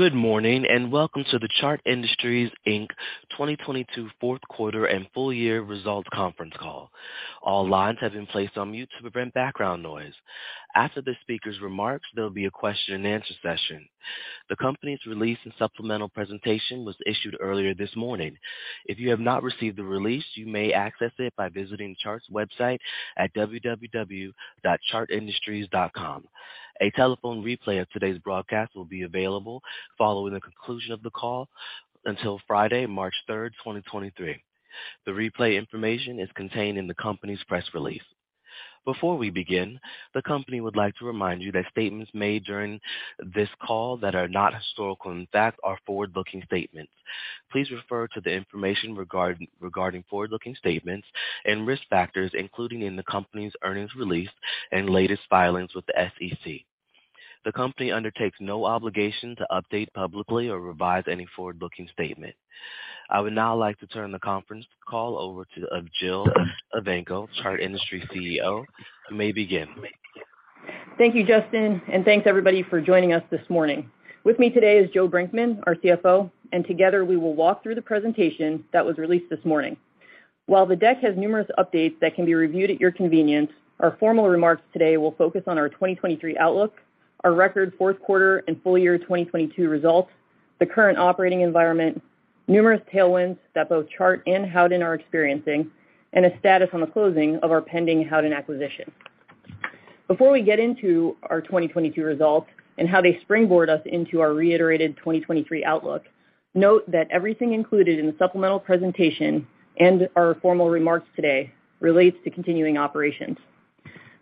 Good morning, welcome to the Chart Industries Inc. 2022 fourth quarter and full year results conference call. All lines have been placed on mute to prevent background noise. After the speaker's remarks, there'll be a question and answer session. The company's release and supplemental presentation was issued earlier this morning. If you have not received the release, you may access it by visiting Chart's website at www.chartindustries.com. A telephone replay of today's broadcast will be available following the conclusion of the call until Friday, March 3rd, 2023. The replay information is contained in the company's press release. Before we begin, the company would like to remind you that statements made during this call that are not historical and facts are forward-looking statements. Please refer to the information regarding forward-looking statements and risk factors, including in the company's earnings release and latest filings with the SEC. The company undertakes no obligation to update publicly or revise any forward-looking statement. I would now like to turn the conference call over to Jill Evanko, Chart Industries CEO. You may begin. Thank you, Justin. Thanks everybody for joining us this morning. With me today is Joe Brinkman, our CFO. Together we will walk through the presentation that was released this morning. While the deck has numerous updates that can be reviewed at your convenience, our formal remarks today will focus on our 2023 outlook, our record 4th quarter and full year 2022 results, the current operating environment, numerous tailwinds that both Chart and Howden are experiencing, and a status on the closing of our pending Howden acquisition. Before we get into our 2022 results and how they springboard us into our reiterated 2023 outlook, note that everything included in the supplemental presentation and our formal remarks today relates to continuing operations.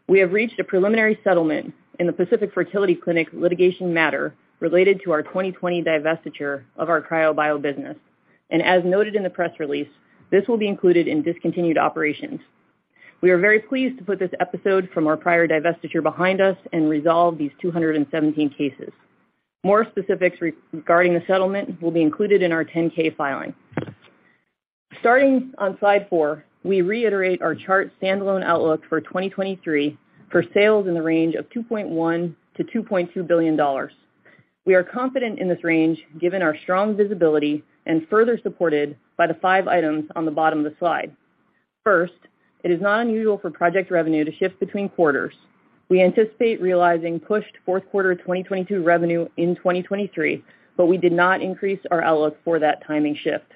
We have reached a preliminary settlement in the Pacific Fertility Center litigation matter related to our 2020 divestiture of our Cryo bio business. As noted in the press release, this will be included in discontinued operations. We are very pleased to put this episode from our prior divestiture behind us and resolve these 217 cases. More specifics regarding the settlement will be included in our 10-K filing. Starting on slide 4, we reiterate our Chart standalone outlook for 2023 for sales in the range of $2.1 billion-$2.2 billion. We are confident in this range given our strong visibility and further supported by the 5 items on the bottom of the slide. First, it is not unusual for project revenue to shift between quarters. We anticipate realizing pushed fourth quarter 2022 revenue in 2023, but we did not increase our outlook for that timing shift.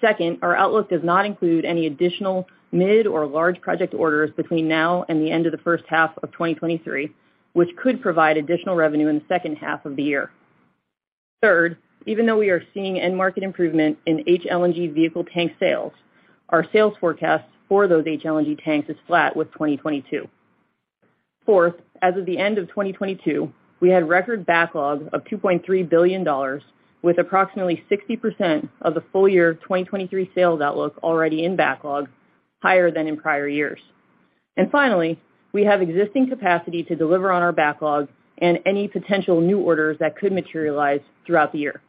Second, our outlook does not include any additional mid or large project orders between now and the end of the first half of 2023, which could provide additional revenue in the second half of the year. Third, even though we are seeing end market improvement in HLNG vehicle tank sales, our sales forecast for those HLNG tanks is flat with 2022. Fourth, as of the end of 2022, we had record backlog of $2.3 billion with approximately 60% of the full year 2023 sales outlook already in backlog, higher than in prior years. Finally, we have existing capacity to deliver on our backlog and any potential new orders that could materialize throughout the year.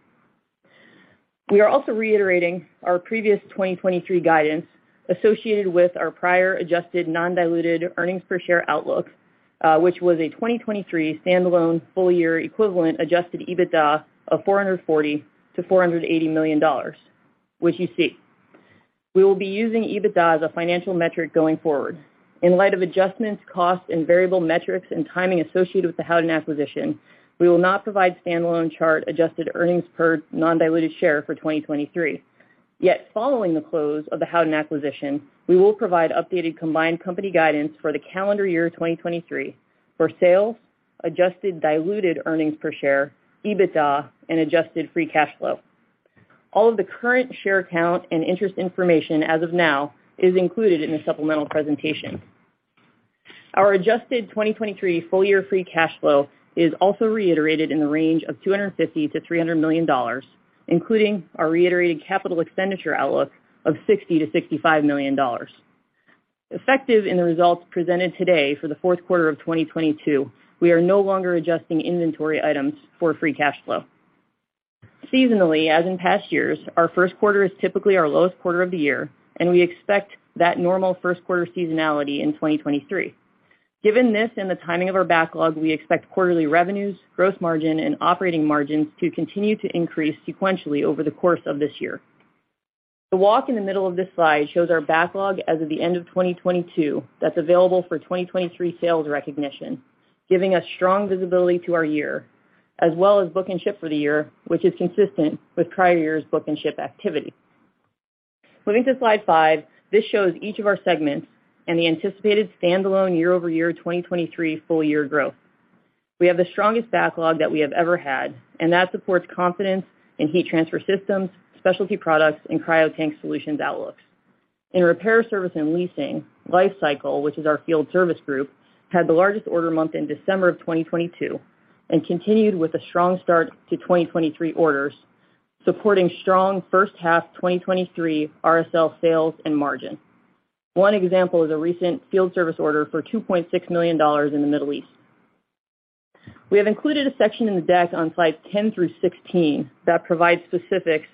We are also reiterating our previous 2023 guidance associated with our prior adjusted non-diluted earnings per share outlook, which was a 2023 standalone full year equivalent adjusted EBITDA of $440 million-$480 million, which you see. We will be using EBITDA as a financial metric going forward. In light of adjustments, costs, and variable metrics and timing associated with the Howden acquisition, we will not provide standalone Chart adjusted earnings per non-diluted share for 2023. Following the close of the Howden acquisition, we will provide updated combined company guidance for the calendar year 2023 for sales, adjusted diluted earnings per share, EBITDA, and adjusted free cash flow. All of the current share count and interest information as of now is included in the supplemental presentation. Our adjusted 2023 full year free cash flow is also reiterated in the range of $250 million-$300 million, including our reiterated capital expenditure outlook of $60 million-$65 million. Effective in the results presented today for the fourth quarter of 2022, we are no longer adjusting inventory items for free cash flow. Seasonally, as in past years, our first quarter is typically our lowest quarter of the year. We expect that normal first quarter seasonality in 2023. Given this and the timing of our backlog, we expect quarterly revenues, gross margin, and operating margins to continue to increase sequentially over the course of this year. The walk in the middle of this slide shows our backlog as of the end of 2022 that's available for 2023 sales recognition, giving us strong visibility to our year, as well as book and ship for the year, which is consistent with prior years' book and ship activity. Moving to slide 5, this shows each of our segments and the anticipated standalone year-over-year 2023 full year growth. We have the strongest backlog that we have ever had. That supports confidence in heat transfer systems, specialty products, and Cryotank Solutions outlooks. In Repair, Service and Leasing, Lifecycle, which is our field service group, had the largest order month in December of 2022 and continued with a strong start to 2023 orders, supporting strong first half 2023 RSL sales and margin. One example is a recent field service order for $2.6 million in the Middle East. We have included a section in the deck on slide 10 through 16 that provides specifics,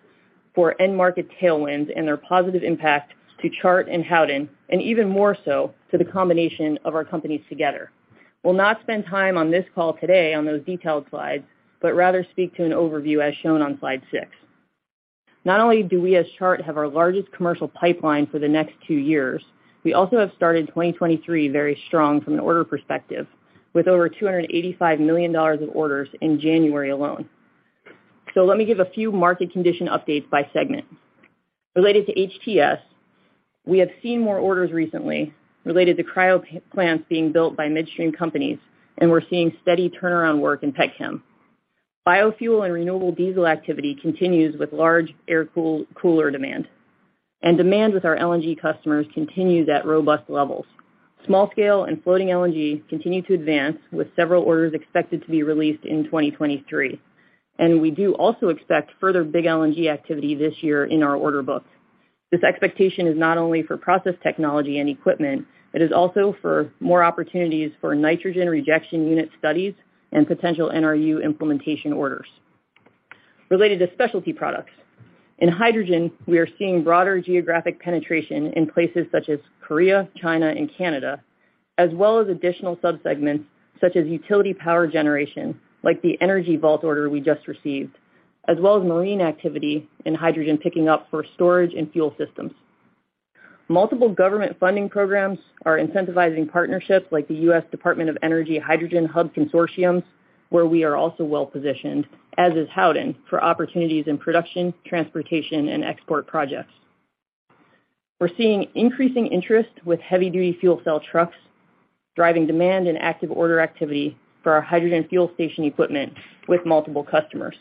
for end market tailwinds and their positive impact to Chart and Howden, and even more so to the combination of our companies together. We'll not spend time on this call today on those detailed slides, but rather speak to an overview as shown on slide 6. Not only do we as Chart have our largest commercial pipeline for the next two years, we also have started 2023 very strong from an order perspective, with over $285 million of orders in January alone. Let me give a few market condition updates by segment. Related to HTS, we have seen more orders recently related to cryo p-plants being built by midstream companies. We're seeing steady turnaround work in petchem. Biofuel and renewable diesel activity continues with large air cooled-cooler demand. Demand with our LNG customers continues at robust levels. Small scale and floating LNG continue to advance, with several orders expected to be released in 2023. We do also expect further big LNG activity this year in our order books. This expectation is not only for process technology and equipment, it is also for more opportunities for nitrogen rejection unit studies and potential NRU implementation orders. Related to specialty products, in hydrogen, we are seeing broader geographic penetration in places such as Korea, China, and Canada, as well as additional sub-segments such as utility power generation, like the Energy Vault order we just received, as well as marine activity and hydrogen picking up for storage and fuel systems. Multiple government funding programs are incentivizing partnerships like the US Department of Energy Hydrogen Hub Consortium, where we are also well-positioned, as is Howden, for opportunities in production, transportation, and export projects. We're seeing increasing interest with heavy-duty fuel cell trucks, driving demand and active order activity for our hydrogen fuel station equipment with multiple customers.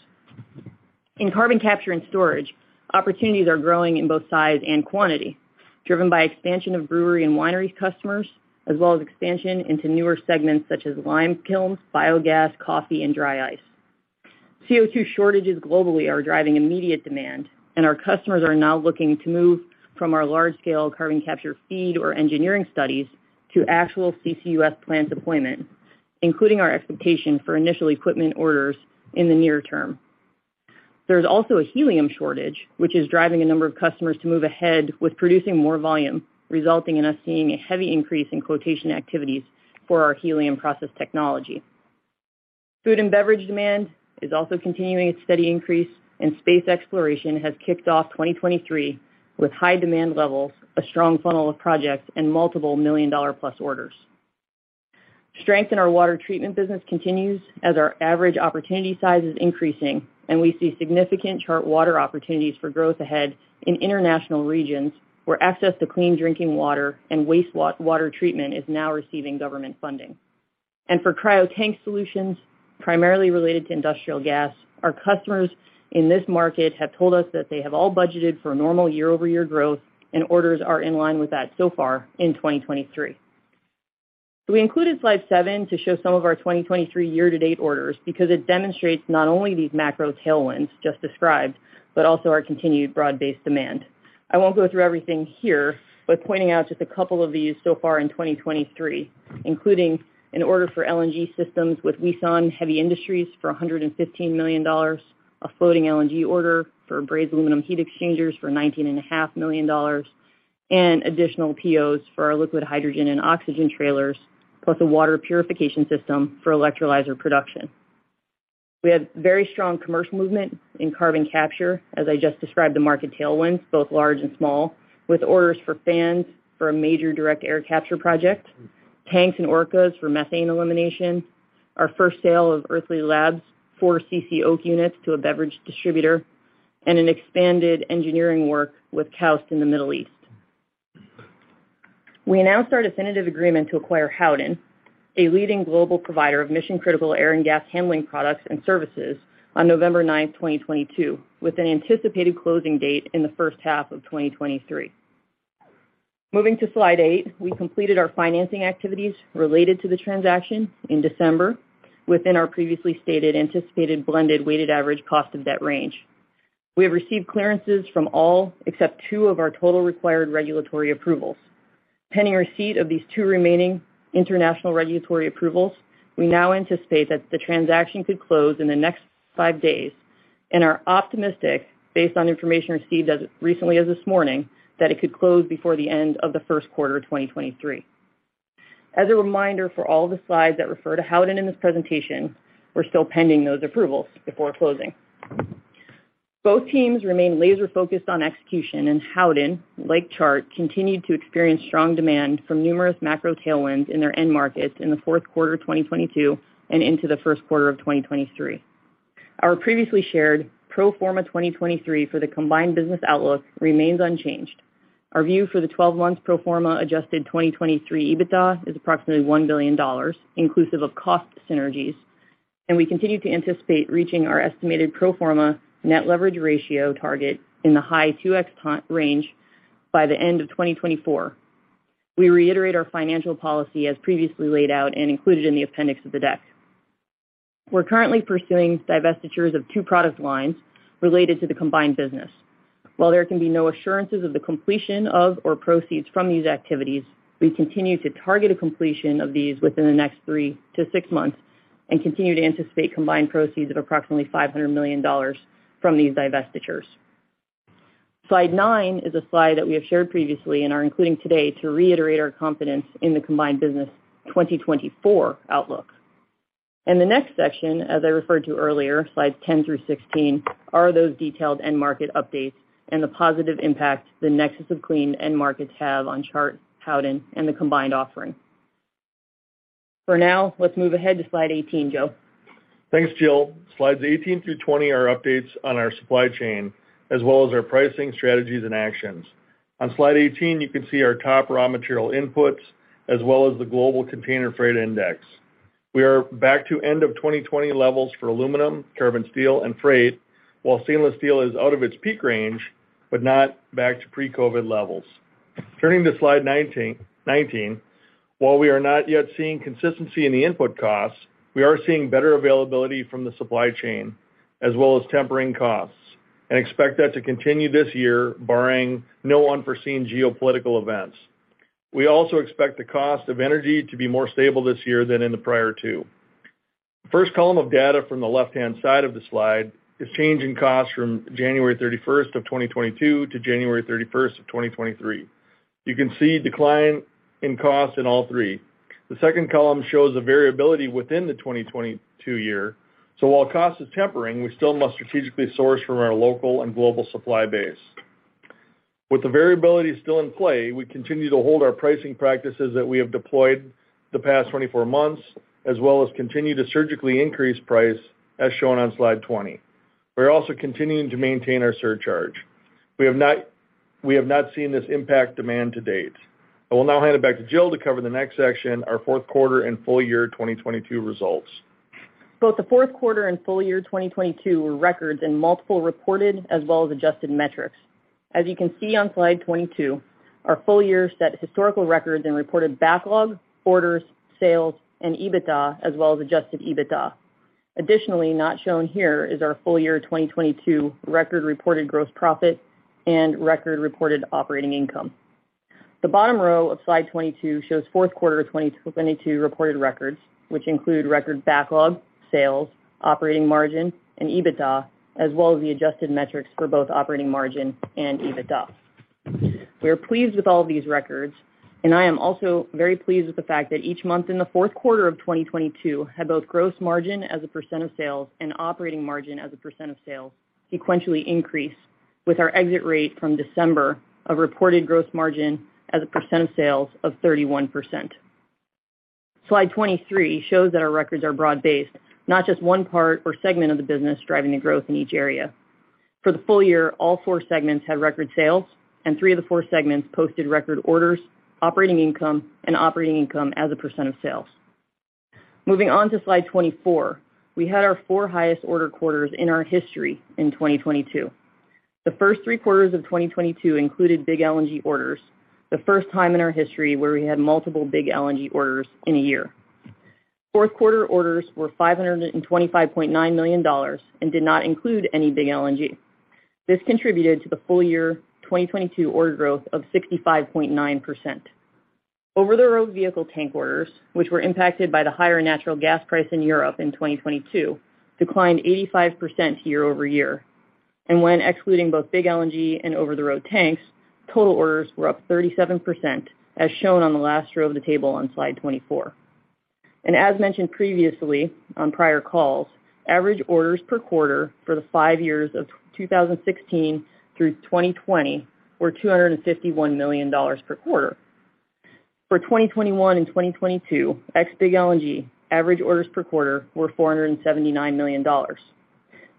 In carbon capture and storage, opportunities are growing in both size and quantity, driven by expansion of brewery and winery customers, as well as expansion into newer segments such as lime kilns, biogas, coffee, and dry ice. CO2 shortages globally are driving immediate demand, and our customers are now looking to move from our large-scale carbon capture feed or engineering studies to actual CCUS plant deployment, including our expectation for initial equipment orders in the near term. There's also a helium shortage, which is driving a number of customers to move ahead with producing more volume, resulting in us seeing a heavy increase in quotation activities for our helium process technology. Food and beverage demand is also continuing its steady increase, and space exploration has kicked off 2023 with high demand levels, a strong funnel of projects, and multiple million-dollar-plus orders. Strength in our water treatment business continues as our average opportunity size is increasing, and we see significant Chart water opportunities for growth ahead in international regions, where access to clean drinking water and wastewater treatment is now receiving government funding. For cryotank solutions, primarily related to industrial gas, our customers in this market have told us that they have all budgeted for normal year-over-year growth, and orders are in line with that so far in 2023. We included slide 7 to show some of our 2023 year-to-date orders because it demonstrates not only these macro tailwinds just described, but also our continued broad-based demand. I won't go through everything here, but pointing out just a couple of these so far in 2023, including an order for LNG systems with Wison Heavy Industries for $115 million, a floating LNG order for brazed aluminum heat exchangers for $19.5 million, and additional POs for our liquid hydrogen and oxygen trailers, plus a water purification system for electrolyzer production. We have very strong commercial movement in carbon capture, as I just described the market tailwinds, both large and small, with orders for fans for a major direct air capture project, tanks and Orcas for methane elimination, our first sale of Earthly Labs, 4 CiCi Oak units to a beverage distributor, and an expanded engineering work with KAUST in the Middle East. We announced our definitive agreement to acquire Howden, a leading global provider of mission-critical air and gas handling products and services, on November 9th, 2022, with an anticipated closing date in the first half of 2023. Moving to slide 8, we completed our financing activities related to the transaction in December within our previously stated anticipated blended weighted average cost of debt range. We have received clearances from all except 2 of our total required regulatory approvals. Pending receipt of these two remaining international regulatory approvals, we now anticipate that the transaction could close in the next 5 days and are optimistic, based on information received as recently as this morning, that it could close before the end of the first quarter of 2023. As a reminder for all the slides that refer to Howden in this presentation, we're still pending those approvals before closing. Both teams remain laser-focused on execution. Howden, like Chart, continued to experience strong demand from numerous macro tailwinds in their end markets in the fourth quarter of 2022 and into the first quarter of 2023. Our previously shared pro forma 2023 for the combined business outlook remains unchanged. Our view for the 12 months pro forma adjusted 2023 EBITDA is approximately $1 billion, inclusive of cost synergies. We continue to anticipate reaching our estimated pro forma net leverage ratio target in the high 2x range by the end of 2024. We reiterate our financial policy as previously laid out and included in the appendix of the deck. We're currently pursuing divestitures of 2 product lines related to the combined business. While there can be no assurances of the completion of or proceeds from these activities, we continue to target a completion of these within the next 3-6 months. Continue to anticipate combined proceeds of approximately $500 million from these divestitures. Slide 9 is a slide that we have shared previously and are including today to reiterate our confidence in the combined business 2024 outlook. In the next section, as I referred to earlier, slides 10 through 16 are those detailed end market updates and the positive impact the Nexus of Clean end markets have on Chart, Howden and the combined offering. For now, let's move ahead to slide 18, Joe. Thanks, Jill. Slides 18 through 20 are updates on our supply chain as well as our pricing strategies and actions. On slide 18, you can see our top raw material inputs as well as the global container freight index. We are back to end of 2020 levels for aluminum, carbon steel and freight, while seamless steel is out of its peak range but not back to pre-COVID levels. Turning to slide 19, while we are not yet seeing consistency in the input costs, we are seeing better availability from the supply chain as well as tempering costs and expect that to continue this year, barring no unforeseen geopolitical events. We also expect the cost of energy to be more stable this year than in the prior 2. First column of data from the left-hand side of the slide is change in cost from January 31st of 2022 to January 31st of 2023. You can see decline in cost in all 3. The 2nd column shows the variability within the 2022 year. While cost is tempering, we still must strategically source from our local and global supply base. With the variability still in play, we continue to hold our pricing practices that we have deployed the past 24 months as well as continue to surgically increase price as shown on slide 20. We're also continuing to maintain our surcharge. We have not seen this impact demand to date. I will now hand it back to Jill to cover the next section, our 4th quarter and full year 2022 results. Both the fourth quarter and full year 2022 were records in multiple reported as well as adjusted metrics. As you can see on slide 22, our full year set historical records and reported backlog, orders, sales, and EBITDA as well as adjusted EBITDA. Additionally, not shown here is our full year 2022 record reported gross profit and record reported operating income. The bottom row of slide 22 shows fourth quarter of 2022 reported records, which include record backlog, sales, operating margin, and EBITDA, as well as the adjusted metrics for both operating margin and EBITDA. We are pleased with all these records. I am also very pleased with the fact that each month in the fourth quarter of 2022 had both gross margin as a % of sales and operating margin as a % of sales sequentially increase with our exit rate from December of reported gross margin as a % of sales of 31%. Slide 23 shows that our records are broad-based, not just one part or segment of the business driving the growth in each area. For the full year, all four segments had record sales. Three of the four segments posted record orders, operating income and operating income as a % of sales. Moving on to Slide 24. We had our four highest order quarters in our history in 2022. The first 3 quarters of 2022 included big LNG orders, the first time in our history where we had multiple big LNG orders in a year. Fourth quarter orders were $525.9 million and did not include any big LNG. This contributed to the full year 2022 order growth of 65.9%. Over the road vehicle tank orders, which were impacted by the higher natural gas price in Europe in 2022, declined 85% year-over-year. When excluding both big LNG and over-the-road tanks, total orders were up 37%, as shown on the last row of the table on slide 24. As mentioned previously on prior calls, average orders per quarter for the 5 years of 2016 through 2020 were $251 million per quarter. For 2021 and 2022, ex big LNG, average orders per quarter were $479 million.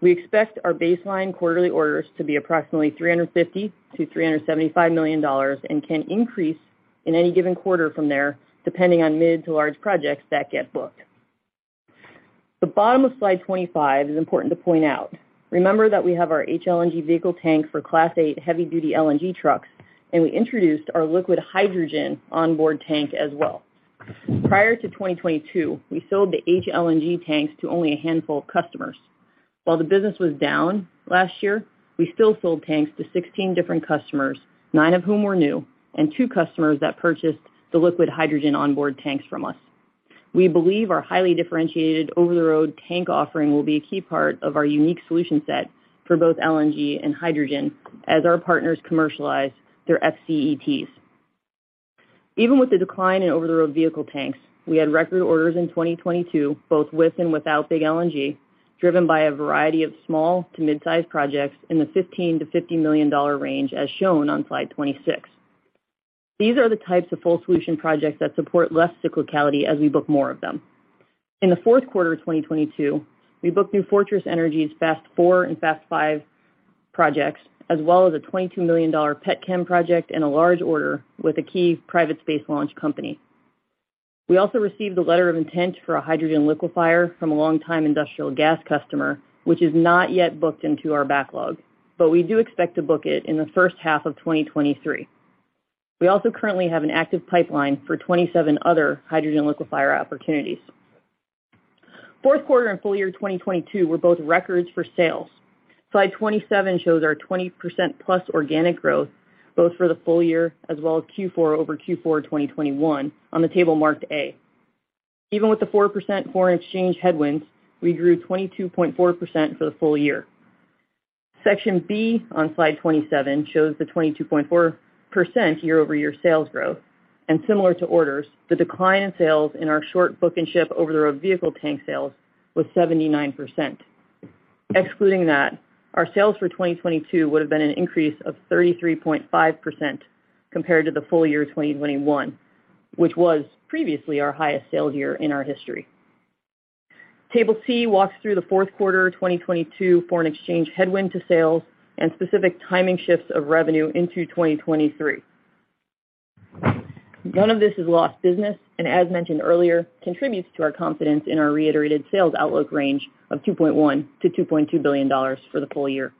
We expect our baseline quarterly orders to be approximately $350 million-$375 million and can increase in any given quarter from there, depending on mid to large projects that get booked. The bottom of slide 25 is important to point out. Remember that we have our HLNG vehicle tank for Class 8 heavy-duty LNG trucks, and we introduced our liquid hydrogen onboard tank as well. Prior to 2022, we sold the HLNG tanks to only a handful of customers. While the business was down last year, we still sold tanks to 16 different customers, 9 of whom were new, and 2 customers that purchased the liquid hydrogen onboard tanks from us. We believe our highly differentiated over-the-road tank offering will be a key part of our unique solution set for both LNG and hydrogen as our partners commercialize their FCETs. Even with the decline in over-the-road vehicle tanks, we had record orders in 2022, both with and without big LNG, driven by a variety of small to mid-size projects in the $15 million-$50 million range, as shown on slide 26. These are the types of full solution projects that support less cyclicality as we book more of them. In the fourth quarter of 2022, we booked New Fortress Energy's Fast Four and Fast Five projects, as well as a $22 million pet chem project and a large order with a key private space launch company. We also received a letter of intent for a hydrogen liquefier from a long-time industrial gas customer, which is not yet booked into our backlog, but we do expect to book it in the first half of 2023. We also currently have an active pipeline for 27 other hydrogen liquefier opportunities. Fourth quarter and full year 2022 were both records for sales. Slide 27 shows our 20%+ organic growth, both for the full year as well as Q4 over Q4, 2021 on the table marked A. Even with the 4% foreign exchange headwinds, we grew 22.4% for the full year. Section B on slide 27 shows the 22.4% year-over-year sales growth and similar to orders, the decline in sales in our short book and ship over the road vehicle tank sales was 79%. Excluding that, our sales for 2022 would have been an increase of 33.5% compared to the full year 2021, which was previously our highest sales year in our history. Table C walks through the Q4 2022 foreign exchange headwind to sales and specific timing shifts of revenue into 2023. None of this is lost business and as mentioned earlier, contributes to our confidence in our reiterated sales outlook range of $2.1 billion-$2.2 billion for the full year.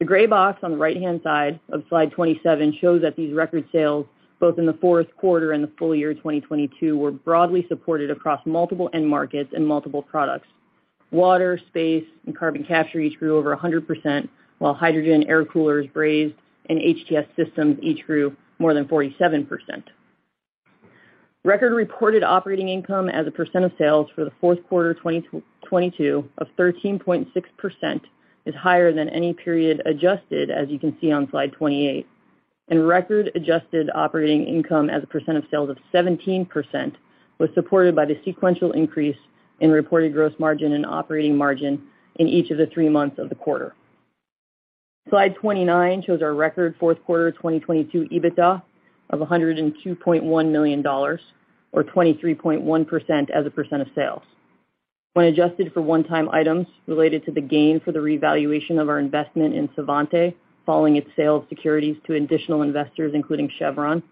The gray box on the right-hand side of slide 27 shows that these record sales, both in the Q4 and the full year of 2022, were broadly supported across multiple end markets and multiple products. Water, space and carbon capture each grew over 100%, while hydrogen, air coolers, brazed and HTS systems each grew more than 47%. Record reported operating income as a percent of sales for the fourth quarter 2022 of 13.6% is higher than any period adjusted, as you can see on slide 28. Record adjusted operating income as a percent of sales of 17% was supported by the sequential increase in reported gross margin and operating margin in each of the 3 months of the quarter. Slide 29 shows our record fourth quarter 2022 EBITDA of $102.1 million or 23.1% as a percent of sales. When adjusted for one-time items related to the gain for the revaluation of our investment in Svante following its sale of securities to additional investors, including Chevron,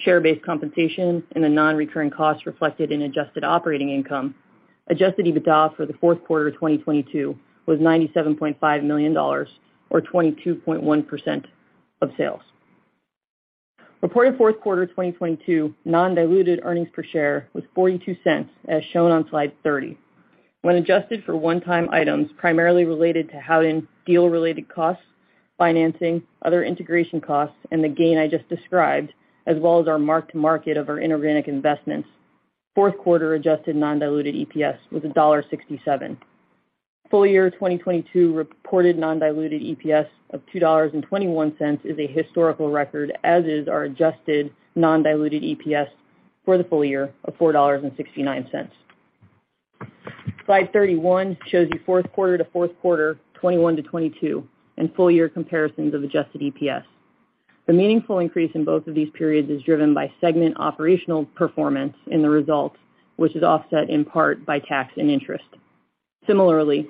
share-based compensation and the non-recurring costs reflected in adjusted operating income, adjusted EBITDA for the fourth quarter of 2022 was $97.5 million or 22.1% of sales. Reported fourth quarter 2022 non-diluted earnings per share was $0.42, as shown on slide 30. When adjusted for one-time items, primarily related to Howden deal-related costs, financing, other integration costs and the gain I just described, as well as our mark-to-market of our inorganic investments, fourth quarter adjusted non-diluted EPS was $1.67. Full year 2022 reported non-diluted EPS of $2.21 is a historical record, as is our adjusted non-diluted EPS for the full year of $4.69. Slide 31 shows you fourth-quarter to fourth-quarter, 2021 to 2022 and full-year comparisons of adjusted EPS. The meaningful increase in both of these periods is driven by segment operational performance in the results, which is offset in part by tax and interest. Similarly,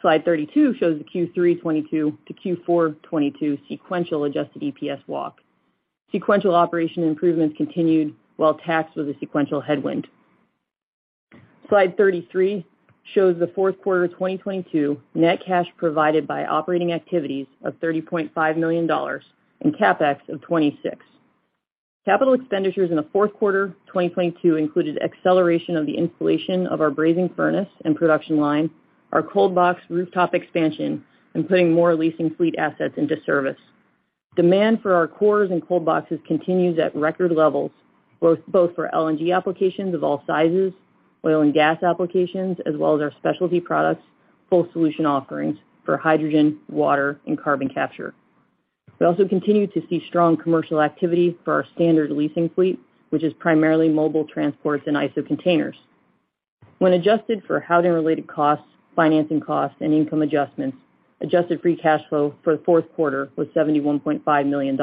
slide 32 shows the Q3 2022 to Q4 2022 sequential adjusted EPS walk. Sequential operation improvements continued while tax was a sequential headwind. Slide 33 shows the fourth quarter 2022 net cash provided by operating activities of $30.5 million and CapEx of $26 million. Capital expenditures in the fourth quarter 2022 included acceleration of the installation of our brazing furnace and production line, our cold box rooftop expansion and putting more leasing fleet assets into service. Demand for our cores and cold boxes continues at record levels, both for LNG applications of all sizes, oil and gas applications, as well as our specialty products, full solution offerings for hydrogen, water and carbon capture. We also continue to see strong commercial activity for our standard leasing fleet, which is primarily mobile transports and ISO containers. When adjusted for Howden-related costs, financing costs and income adjustments, adjusted free cash flow for the fourth quarter was $71.5 million.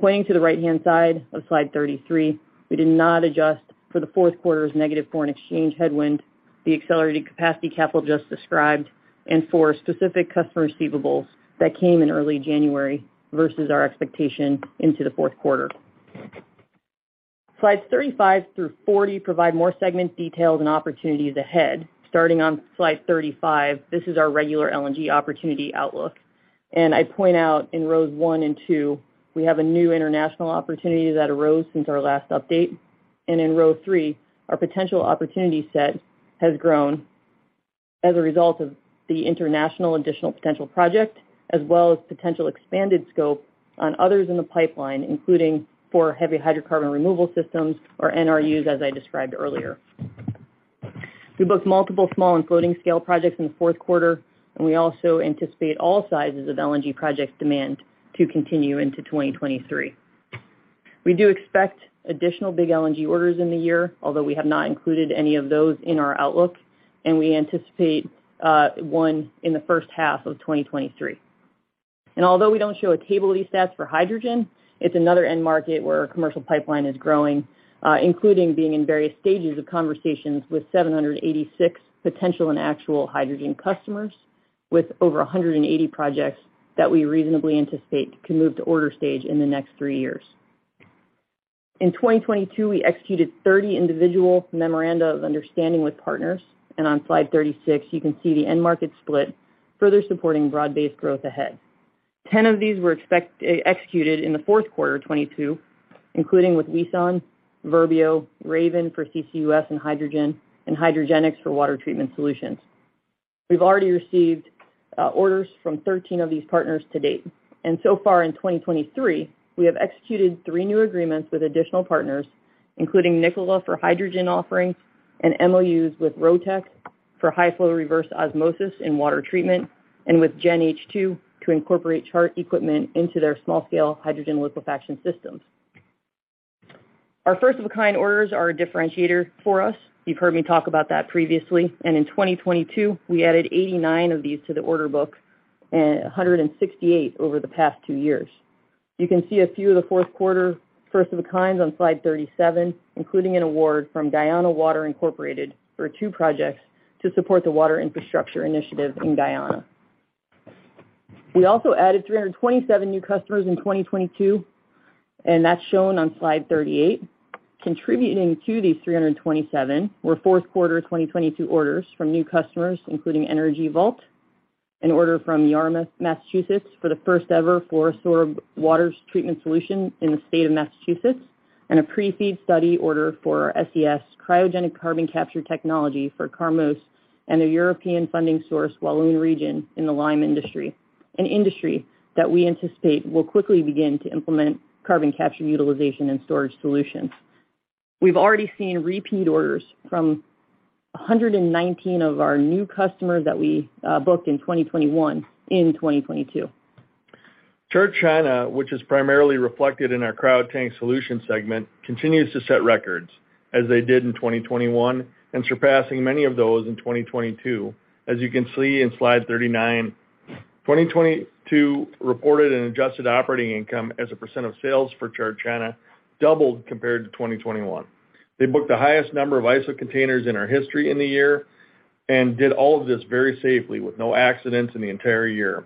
Pointing to the right-hand side of slide 33, we did not adjust for the fourth quarter's negative foreign exchange headwind, the accelerated capacity capital just described, and for specific customer receivables that came in early January versus our expectation into the fourth quarter. Slides 35 through 40 provide more segment details and opportunities ahead. Starting on slide 35, this is our regular LNG opportunity outlook. I point out in rows 1 and 2, we have a new international opportunity that arose since our last update. In row 3, our potential opportunity set has grown as a result of the international additional potential project, as well as potential expanded scope on others in the pipeline, including for heavy hydrocarbon removal systems or NRUs as I described earlier. We booked multiple small and floating scale projects in the fourth quarter. We also anticipate all sizes of LNG project demand to continue into 2023. We do expect additional big LNG orders in the year, although we have not included any of those in our outlook. We anticipate 1 in the first half of 2023. Although we don't show a table of these stats for hydrogen, it's another end market where our commercial pipeline is growing, including being in various stages of conversations with 786 potential and actual hydrogen customers with over 180 projects that we reasonably anticipate can move to order stage in the next 3 years. In 2022, we executed 30 individual memoranda of understanding with partners. On slide 36, you can see the end market split, further supporting broad-based growth ahead. 10 of these were executed in the fourth quarter of 2022, including with Wison, Verbio, Raven for CCUS and hydrogen, and Hydrogenics for water treatment solutions. We've already received orders from 13 of these partners to date. So far in 2023, we have executed 3 new agreements with additional partners, including Nikola for hydrogen offerings and MOUs with ROTEC for high-flow reverse osmosis and water treatment, and with GenH2 to incorporate Chart equipment into their small-scale hydrogen liquefaction systems. Our first-of-a-kind orders are a differentiator for us. You've heard me talk about that previously. In 2022, we added 89 of these to the order book, 168 over the past 2 years. You can see a few of the fourth quarter first-of-a-kinds on slide 37, including an award from Guyana Water Incorporated for 2 projects to support the water infrastructure initiative in Guyana. We also added 327 new customers in 2022, and that's shown on slide 38. Contributing to these 327 were Q4 2022 orders from new customers, including Energy Vault, an order from Yarmouth, Massachusetts, for the first ever Foresorb waters treatment solution in the state of Massachusetts, and a pre-feed study order for our SES cryogenic carbon capture technology for Carmeuse and a European funding source Walloon region in the lime industry, an industry that we anticipate will quickly begin to implement carbon capture utilization and storage solutions. We've already seen repeat orders from 119 of our new customers that we booked in 2021 in 2022. Chart China, which is primarily reflected in our cryotank solutions segment, continues to set records, as they did in 2021, and surpassing many of those in 2022, as you can see in slide 39. 2022 reported an adjusted operating income as a % of sales for Chart China doubled compared to 2021. They booked the highest number of ISO containers in our history in the year and did all of this very safely with no accidents in the entire year.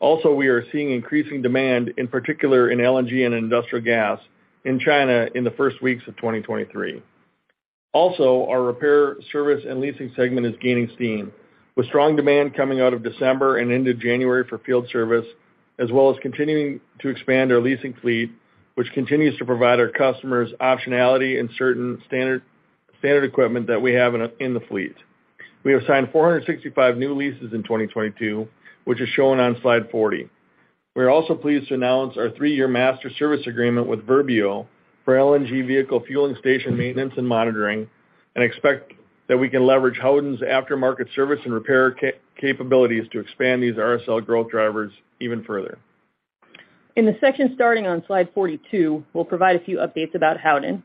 Also, we are seeing increasing demand, in particular in LNG and industrial gas, in China in the first weeks of 2023. Our repair service and leasing segment is gaining steam, with strong demand coming out of December and into January for field service, as well as continuing to expand our leasing fleet, which continues to provide our customers optionality and certain standard equipment that we have in the fleet. We have signed 465 new leases in 2022, which is shown on slide 40. We are also pleased to announce our 3-year master service agreement with Verbio for LNG vehicle fueling station maintenance and monitoring. We expect that we can leverage Howden's aftermarket service and repair capabilities to expand these RSL growth drivers even further. In the section starting on slide 42, we'll provide a few updates about Howden.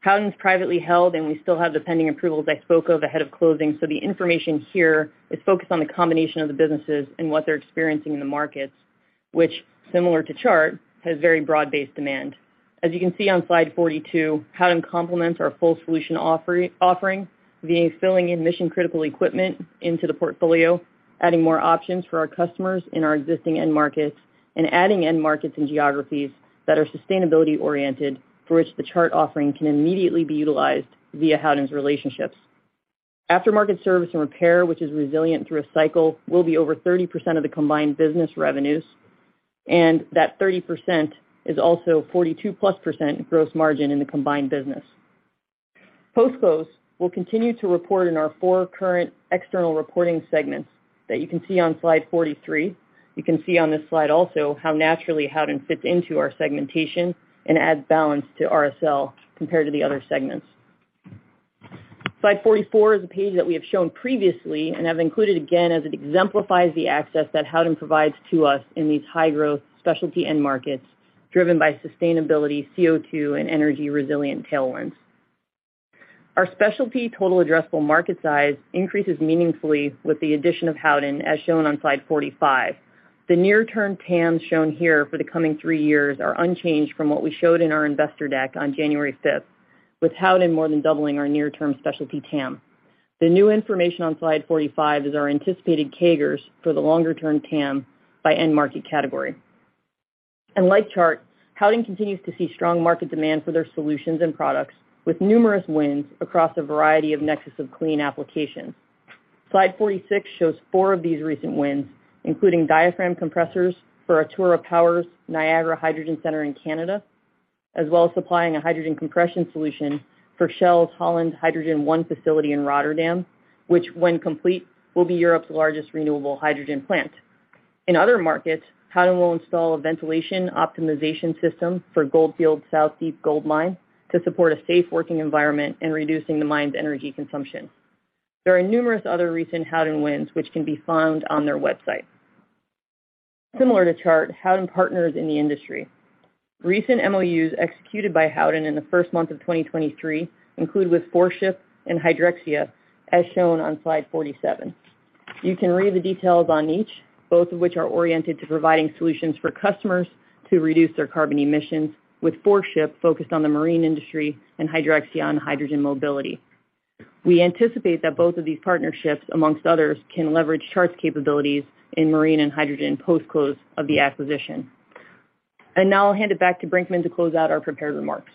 Howden's privately held, and we still have the pending approvals I spoke of ahead of closing, so the information here is focused on the combination of the businesses and what they're experiencing in the markets, which similar to Chart, has very broad-based demand. You can see on slide 42, Howden complements our full solution offering, via filling in mission-critical equipment into the portfolio, adding more options for our customers in our existing end markets and adding end markets and geographies that are sustainability-oriented, for which the Chart offering can immediately be utilized via Howden's relationships. Aftermarket service and repair, which is resilient through a cycle, will be over 30% of the combined business revenues, and that 30% is also 42%+ gross margin in the combined business. Post-close, we'll continue to report in our 4 current external reporting segments that you can see on slide 43. You can see on this slide also how naturally Howden fits into our segmentation and adds balance to RSL compared to the other segments. Slide 44 is a page that we have shown previously and have included again as it exemplifies the access that Howden provides to us in these high-growth specialty end markets driven by sustainability, CO2, and energy-resilient tailwinds. Our specialty total addressable market size increases meaningfully with the addition of Howden, as shown on slide 45. The near-term TAMs shown here for the coming 3 years are unchanged from what we showed in our investor deck on January 5th, with Howden more than doubling our near-term specialty TAM. The new information on slide 45 is our anticipated CAGRs for the longer-term TAM by end market category. Like Chart, Howden continues to see strong market demand for their solutions and products, with numerous wins across a variety of Nexus of Clean applications. Slide 46 shows four of these recent wins, including diaphragm compressors for Atura Power's Niagara Hydrogen Centre in Canada, as well as supplying a hydrogen compression solution for Shell's Holland Hydrogen I facility in Rotterdam, which when complete, will be Europe's largest renewable hydrogen plant. In other markets, Howden will install a ventilation optimization system for Gold Fields' South Deep Gold Mine to support a safe working environment and reducing the mine's energy consumption. There are numerous other recent Howden wins which can be found on their website. Similar to Chart, Howden partners in the industry. Recent MOUs executed by Howden in the first month of 2023 include with Foreship and Hydroxia, as shown on slide 47. You can read the details on each, both of which are oriented to providing solutions for customers to reduce their carbon emissions, with 4Ship focused on the marine industry and Hydroxia on hydrogen mobility. We anticipate that both of these partnerships, amongst others, can leverage Chart's capabilities in marine and hydrogen post-close of the acquisition. Now I'll hand it back to Brinkman to close out our prepared remarks.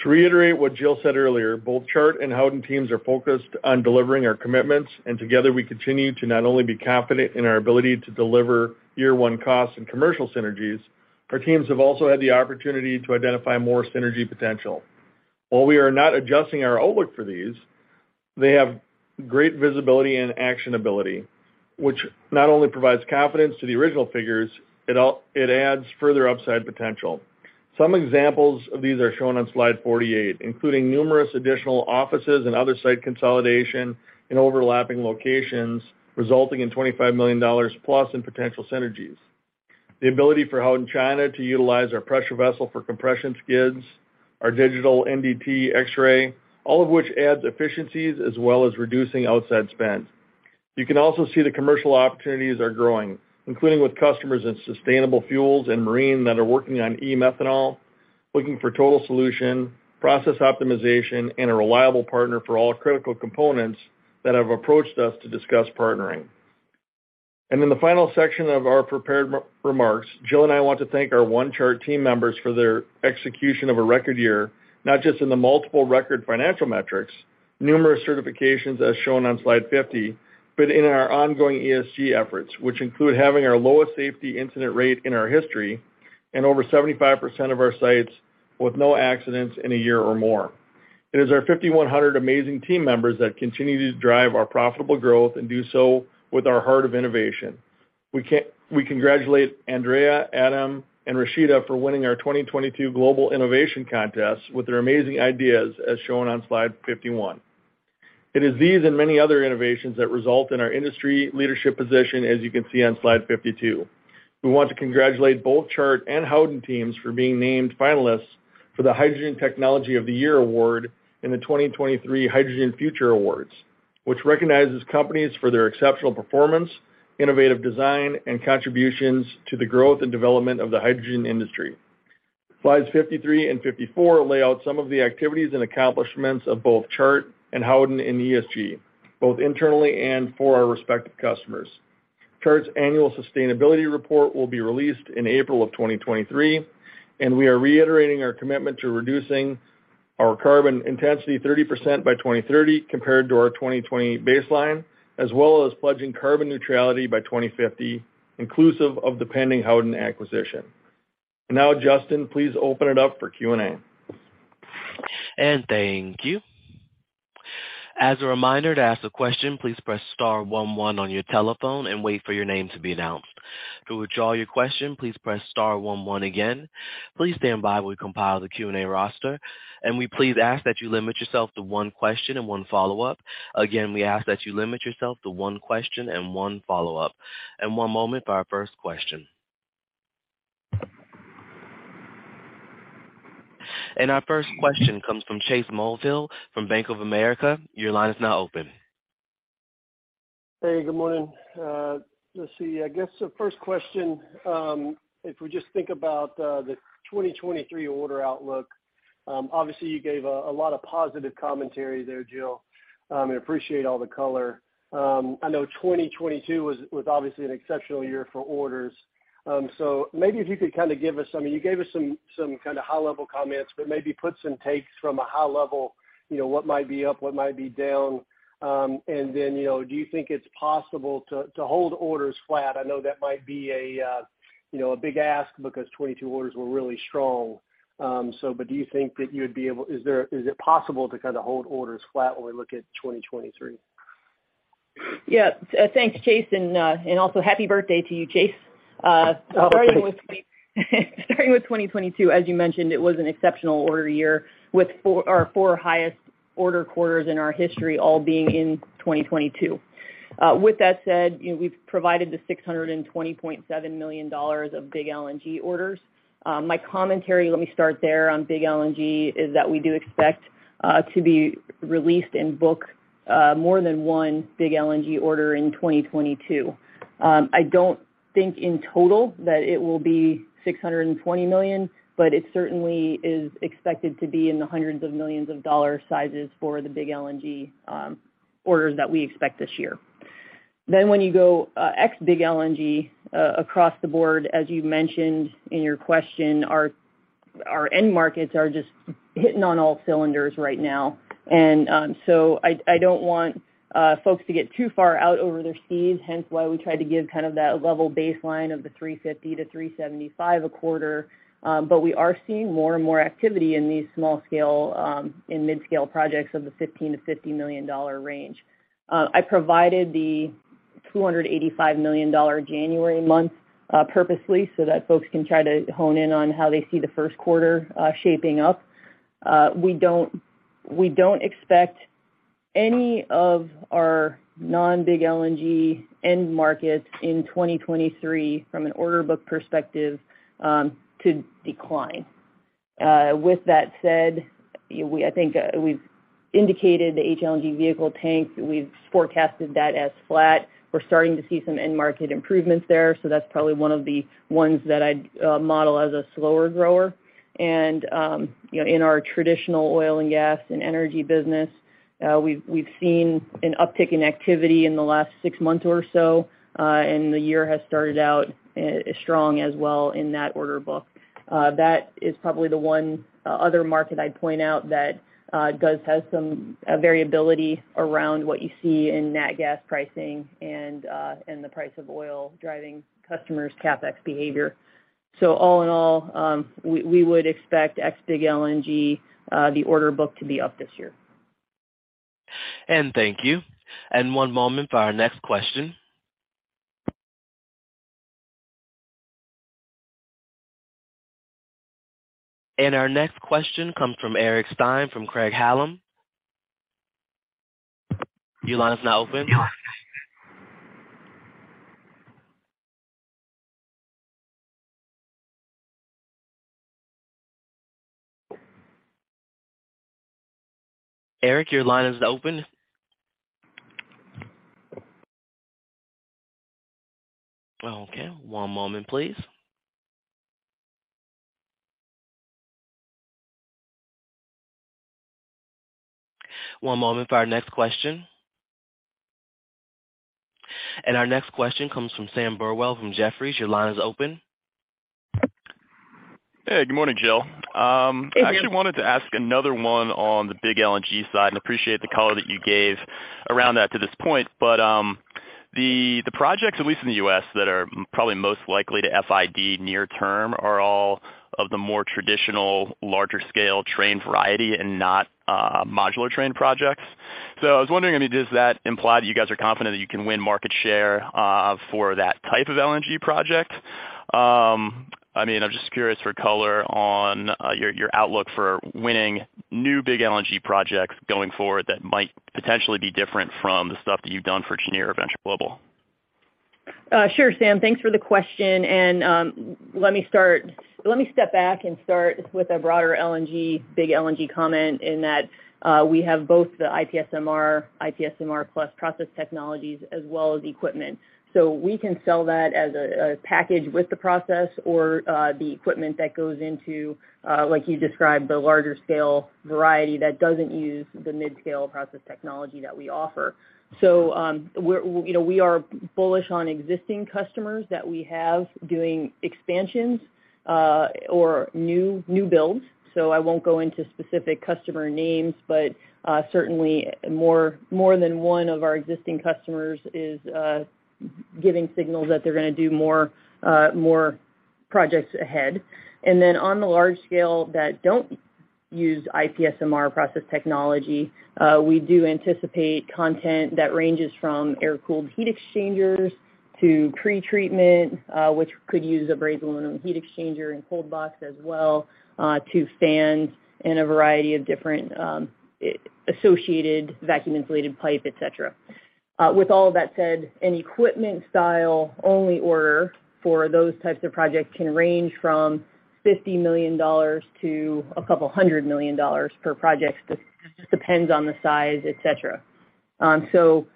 To reiterate what Jill said earlier, both Chart and Howden teams are focused on delivering our commitments, together we continue to not only be confident in our ability to deliver year-one costs and commercial synergies. Our teams have also had the opportunity to identify more synergy potential. While we are not adjusting our outlook for these, they have great visibility and actionability, which not only provides confidence to the original figures, it adds further upside potential. Some examples of these are shown on slide 48, including numerous additional offices and other site consolidation in overlapping locations, resulting in $25 million+ in potential synergies. The ability for Howden China to utilize our pressure vessel for compression skids, our digital NDT X-ray, all of which adds efficiencies as well as reducing outside spend. You can also see the commercial opportunities are growing, including with customers in sustainable fuels and marine that are working on e-methanol, looking for total solution, process optimization, and a reliable partner for all critical components that have approached us to discuss partnering. In the final section of our prepared re-remarks, Jill and I want to thank our OneChart team members for their execution of a record year, not just in the multiple record financial metrics, numerous certifications as shown on slide 50, but in our ongoing ESG efforts, which include having our lowest safety incident rate in our history and over 75% of our sites with no accidents in a year or more. It is our 5,100 amazing team members that continue to drive our profitable growth and do so with our heart of innovation. We congratulate Andrea, Adam, and Rashida for winning our 2022 global innovation contest with their amazing ideas as shown on slide 51. It is these and many other innovations that result in our industry leadership position, as you can see on slide 52. We want to congratulate both Chart and Howden teams for being named finalists for the Hydrogen Technology of the Year Award in the 2023 Hydrogen Future Awards, which recognizes companies for their exceptional performance, innovative design, and contributions to the growth and development of the hydrogen industry. Slides 53 and 54 lay out some of the activities and accomplishments of both Chart and Howden in ESG, both internally and for our respective customers. Chart's annual sustainability report will be released in April of 2023, and we are reiterating our commitment to reducing our carbon intensity 30% by 2030 compared to our 2020 baseline, as well as pledging carbon neutrality by 2050, inclusive of the pending Howden acquisition. Now, Justin, please open it up for Q&A. Thank you. As a reminder to ask a question, please press star one one on your telephone and wait for your name to be announced. To withdraw your question, please press star one one again. Please stand by while we compile the Q&A roster. We please ask that you limit yourself to one question and one follow-up. Again, we ask that you limit yourself to one question and one follow-up. One moment for our first question. Our first question comes from Chase Mulvehill from Bank of America. Your line is now open. Good morning. Let's see, I guess the first question, if we just think about the 2023 order outlook, obviously you gave a lot of positive commentary there, Jill. I appreciate all the color. I know 2022 was obviously an exceptional year for orders. So maybe if you could kind of give us some. You gave us some kind of high-level comments, but maybe put some takes from a high level, you know, what might be up, what might be down. Then, you know, do you think it's possible to hold orders flat? I know that might be a, you know, a big ask because 2022 orders were really strong. Do you think that is it possible to kind of hold orders flat when we look at 2023? Yeah. Thanks, Chase. Also happy birthday to you, Chase. Oh, thank you. Starting with 2022, as you mentioned, it was an exceptional order year with our four highest order quarters in our history all being in 2022. With that said, you know, we've provided the $620.7 million of big LNG orders. My commentary, let me start there on big LNG, is that we do expect to be released and book more than one big LNG order in 2022. I don't think in total that it will be $620 million, but it certainly is expected to be in the hundreds of millions of dollar sizes for the big LNG orders that we expect this year. When you go ex big LNG across the board, as you mentioned in your question, our end markets are just hitting on all cylinders right now. I don't want folks to get too far out over their skis, hence why we tried to give kind of that level baseline of the $350-$375 a quarter. We are seeing more and more activity in these small scale and mid-scale projects of the $15 million-$50 million range. I provided the $285 million January month purposely so that folks can try to hone in on how they see the first quarter shaping up. We don't expect any of our non-big LNG end markets in 2023 from an order book perspective to decline. With that said, we've indicated the HLNG vehicle tanks, we've forecasted that as flat. We're starting to see some end market improvements there, so that's probably one of the ones that I'd model as a slower grower. You know, in our traditional oil and gas and energy business, we've seen an uptick in activity in the last 6 months or so, and the year has started out strong as well in that order book. That is probably the 1 other market I'd point out that does have some variability around what you see in nat gas pricing and the price of oil driving customers' CapEx behavior. All in all, we would expect ex big LNG, the order book to be up this year. Thank you. One moment for our next question. Our next question comes from Eric Stine from Craig-Hallum. Your line is now open. Eric, your line is open. Okay, one moment, please. One moment for our next question. Our next question comes from Sam Burwell from Jefferies. Your line is open. Hey, good morning, Jill. Hey, Sam. I actually wanted to ask another one on the big LNG side, and appreciate the color that you gave around that to this point. The projects, at least in the U.S., that are probably most likely to FID near term are all of the more traditional larger scale train variety and not modular train projects. I was wondering, I mean, does that imply that you guys are confident that you can win market share for that type of LNG project? I mean, I'm just curious for color on your outlook for winning new big LNG projects going forward that might potentially be different from the stuff that you've done for Cheniere or Venture Global. Sure, Sam. Thanks for the question. Let me step back and start with a broader LNG, big LNG comment in that we have both the IPSMR Plus process technologies as well as equipment. We can sell that as a package with the process or the equipment that goes into like you described, the larger scale variety that doesn't use the mid-scale process technology that we offer. you know, we are bullish on existing customers that we have doing expansions or new builds. I won't go into specific customer names, but certainly more than one of our existing customers is giving signals that they're gonna do more projects ahead. On the large scale that don't use IPSMR process technology, we do anticipate content that ranges from air-cooled heat exchangers to pretreatment, which could use a brazed aluminum heat exchanger and cold box as well, to stands and a variety of different, associated vacuum insulated pipe, et cetera. With all of that said, an equipment style only order for those types of projects can range from $50 million-$200 million per project. Just depends on the size, et cetera. So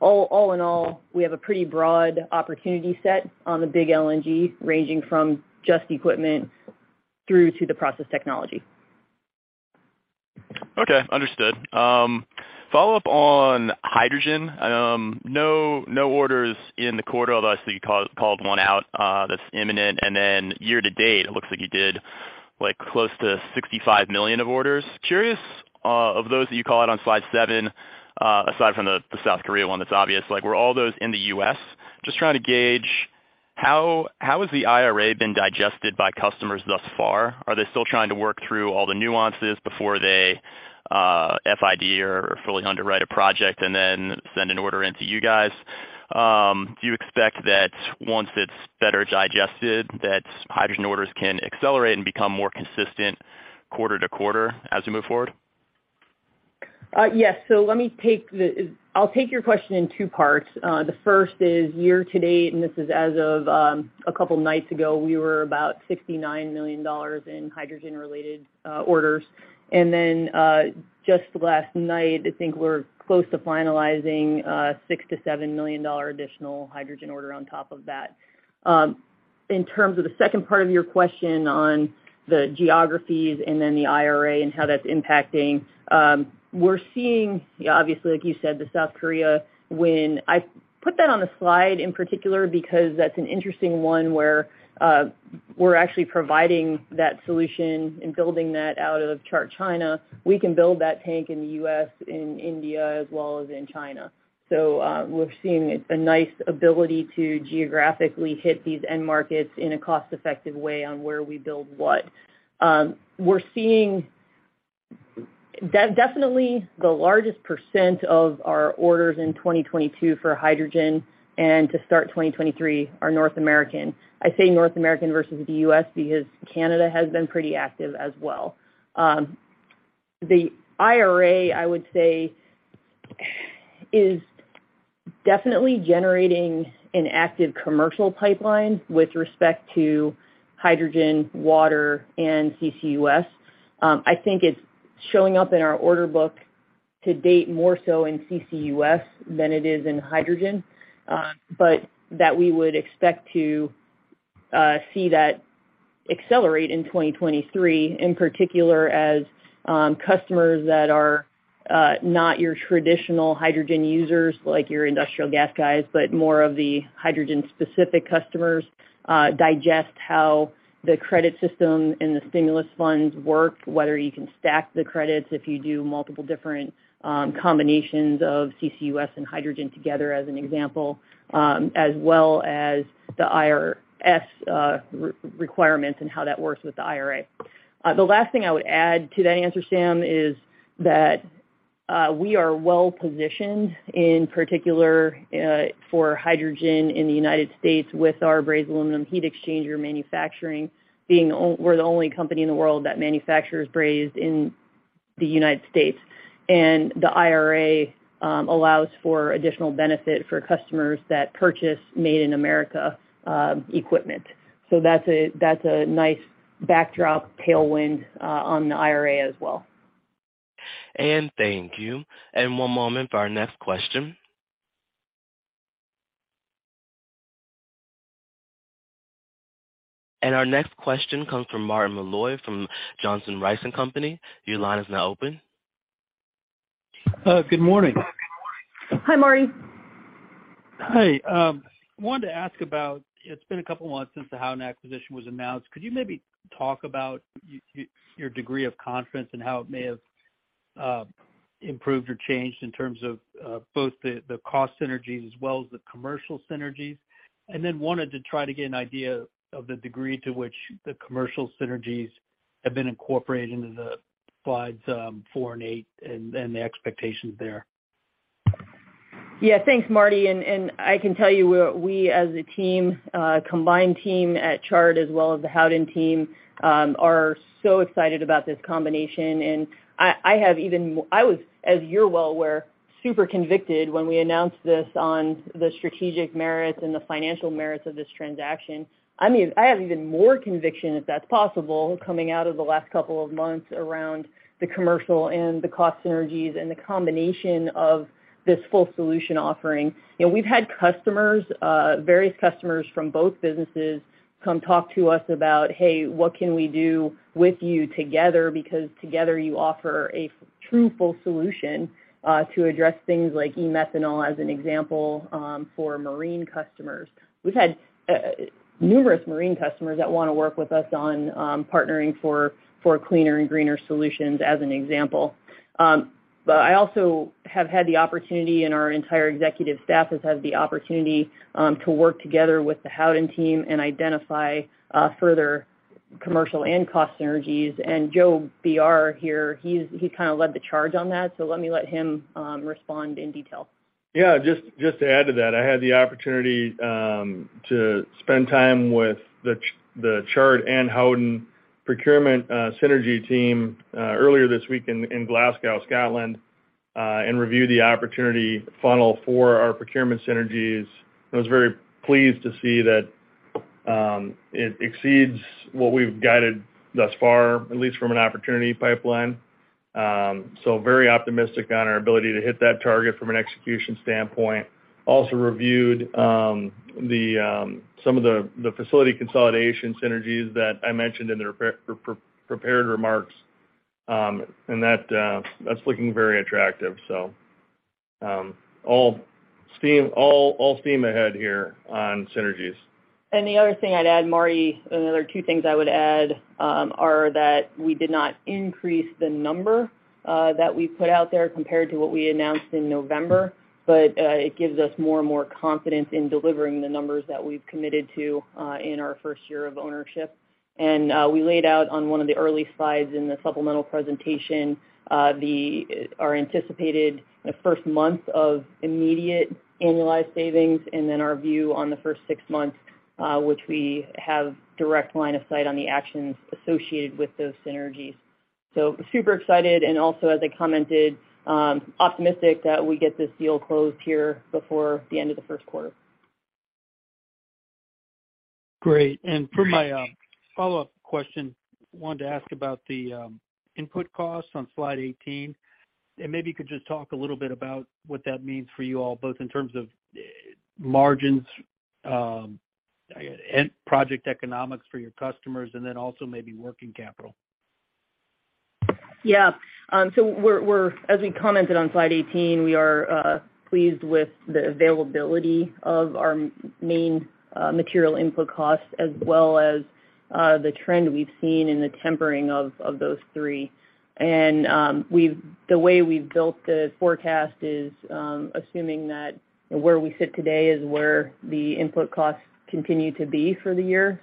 all in all, we have a pretty broad opportunity set on the big LNG, ranging from just equipment through to the process technology. Okay. Understood. Follow-up on hydrogen. No, no orders in the quarter, obviously you called one out, that's imminent. Then year to date, it looks like you did, close to $65 million of orders. Curious, of those that you call out on slide 7, aside from the South Korea one that's obvious, were all those in the U.S.? Just trying to gauge how has the IRA been digested by customers thus far? Are they still trying to work through all the nuances before they, FID or fully underwrite a project and then send an order in to you guys? Do you expect that once it's better digested, that hydrogen orders can accelerate and become more consistent quarter-to-quarter as we move forward? Yes. Let me take your question in two parts. The first is year to date, and this is as of a couple nights ago, we were about $69 million in hydrogen-related orders. Just last night, I think we're close to finalizing $6 million-$7 million additional hydrogen order on top of that. In terms of the second part of your question on the geographies and the IRA and how that's impacting, we're seeing, obviously, like you said, the South Korea win. I put that on the slide in particular because that's an interesting one where we're actually providing that solution and building that out of Chart China. We can build that tank in the U.S., in India, as well as in China. We're seeing a nice ability to geographically hit these end markets in a cost-effective way on where we build what. We're seeing definitely the largest percent of our orders in 2022 for hydrogen and to start 2023 are North American. I say North American versus the U.S. because Canada has been pretty active as well. The IRA, I would say, is definitely generating an active commercial pipeline with respect to hydrogen, water, and CCUS. I think it's showing up in our order book, to date more so in CCUS than it is in hydrogen. That we would expect to see that accelerate in 2023, in particular as customers that are not your traditional hydrogen users, like your industrial gas guys, but more of the hydrogen specific customers, digest how the credit system and the stimulus funds work, whether you can stack the credits if you do multiple different combinations of CCUS and hydrogen together, as an example, as well as the IRS re-requirements and how that works with the IRA. The last thing I would add to that answer, Sam, is that we are well-positioned, in particular, for hydrogen in the United States with our brazed aluminum heat exchanger manufacturing. We're the only company in the world that manufactures braised in the United States. The IRA allows for additional benefit for customers that purchase made in America equipment. That's a nice backdrop tailwind on the IRA as well. Thank you. One moment for our next question. Our next question comes from Martin Malloy from Johnson Rice & Company. Your line is now open. Good morning. Hi, Marty. Hi. Wanted to ask about, it's been a couple of months since the Howden acquisition was announced. Could you maybe talk about your degree of confidence and how it may have improved or changed in terms of both the cost synergies as well as the commercial synergies? Then wanted to try to get an idea of the degree to which the commercial synergies have been incorporated into the slides, 4 and 8 and the expectations there. Yeah. Thanks, Marty. I can tell you we as a team, combined team at Chart as well as the Howden team, are so excited about this combination. I was, as you're well aware, super convicted when we announced this on the strategic merits and the financial merits of this transaction. I mean, I have even more conviction, if that's possible, coming out of the last couple of months around the commercial and the cost synergies and the combination of this full solution offering. You know, we've had customers, various customers from both businesses come talk to us about, "Hey, what can we do with you together? Because together you offer a true, full solution, to address things like e-methanol, as an example, for marine customers. We've had numerous marine customers that wanna work with us on partnering for cleaner and greener solutions as an example. I also have had the opportunity, and our entire executive staff has had the opportunity, to work together with the Howden team and identify further commercial and cost synergies. Joe Belling here, he kind of led the charge on that. Let me let him respond in detail. Yeah. Just to add to that, I had the opportunity to spend time with the Chart and Howden procurement synergy team earlier this week in Glasgow, Scotland, and review the opportunity funnel for our procurement synergies. I was very pleased to see that it exceeds what we've guided thus far, at least from an opportunity pipeline. Very optimistic on our ability to hit that target from an execution standpoint. Also reviewed the facility consolidation synergies that I mentioned in the prepared remarks, and that's looking very attractive. All steam ahead here on synergies. The other thing I'd add, Marty, another 2 things I would add, are that we did not increase the number that we put out there compared to what we announced in November. It gives us more and more confidence in delivering the numbers that we've committed to in our 1st year of ownership. We laid out on 1 of the early slides in the supplemental presentation, our anticipated, you know, 1st month of immediate annualized savings, and then our view on the 1st 6 months, which we have direct line of sight on the actions associated with those synergies. Super excited, and also as I commented, optimistic that we get this deal closed here before the end of the 1st quarter. Great. For my follow-up question, wanted to ask about the input costs on slide 18. Maybe you could just talk a little bit about what that means for you all, both in terms of margins and project economics for your customers, and then also maybe working capital? Yeah. We're as we commented on slide 18, we are pleased with the availability of our main material input costs, as well as, the trend we've seen in the tempering of those three. We've the way we've built the forecast is, assuming that where we sit today is where the input costs continue to be for the year.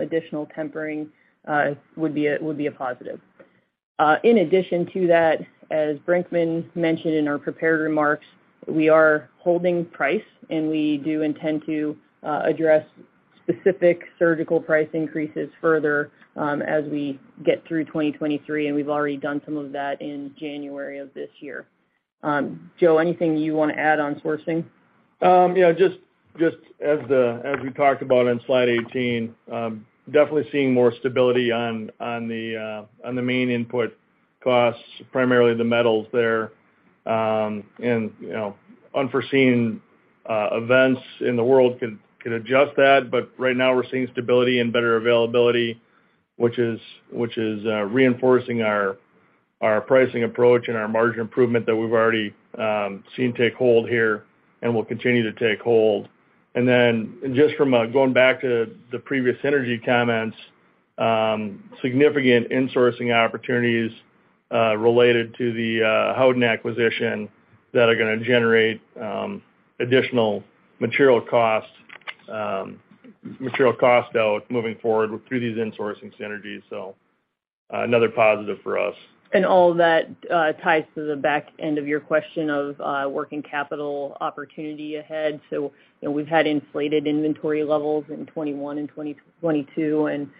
Additional tempering would be a positive. In addition to that, as Brinkman mentioned in our prepared remarks, we are holding price, and we do intend to address specific surgical price increases further, as we get through 2023, and we've already done some of that in January of this year. Joe, anything you wanna add on sourcing? Yeah, just as we talked about on slide 18, definitely seeing more stability on the main input costs, primarily the metals there. You know, unforeseen events in the world can adjust that. Right now we're seeing stability and better availability, which is reinforcing our pricing approach and our margin improvement that we've already seen take hold here and will continue to take hold. Then just from going back to the previous synergy comments, significant insourcing opportunities related to the Howden acquisition that are gonna generate additional material costs, material costs out moving forward through these insourcing synergies. Another positive for us. All that ties to the back end of your question of working capital opportunity ahead. You know, we've had inflated inventory levels in 2021 and 2022, and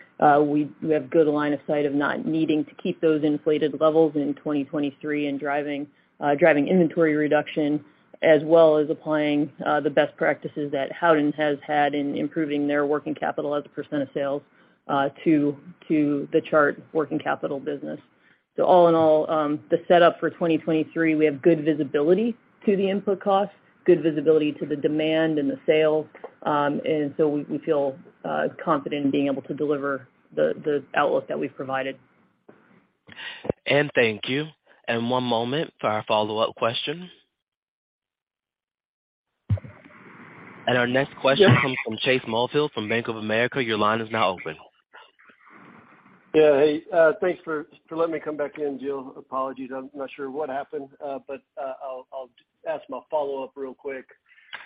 we have good line of sight of not needing to keep those inflated levels in 2023 and driving inventory reduction as well as applying the best practices that Howden has had in improving their working capital as a % of sales to the Chart working capital business. All in all, the setup for 2023, we have good visibility to the input costs, good visibility to the demand and the sales. We feel confident in being able to deliver the outlook that we've provided. Thank you. One moment for our follow-up question. Our next question comes from Chase Mulvehill from Bank of America. Your line is now open. Yeah. Hey, thanks for letting me come back in, Jill. Apologies, I'm not sure what happened, I'll ask my follow-up real quick.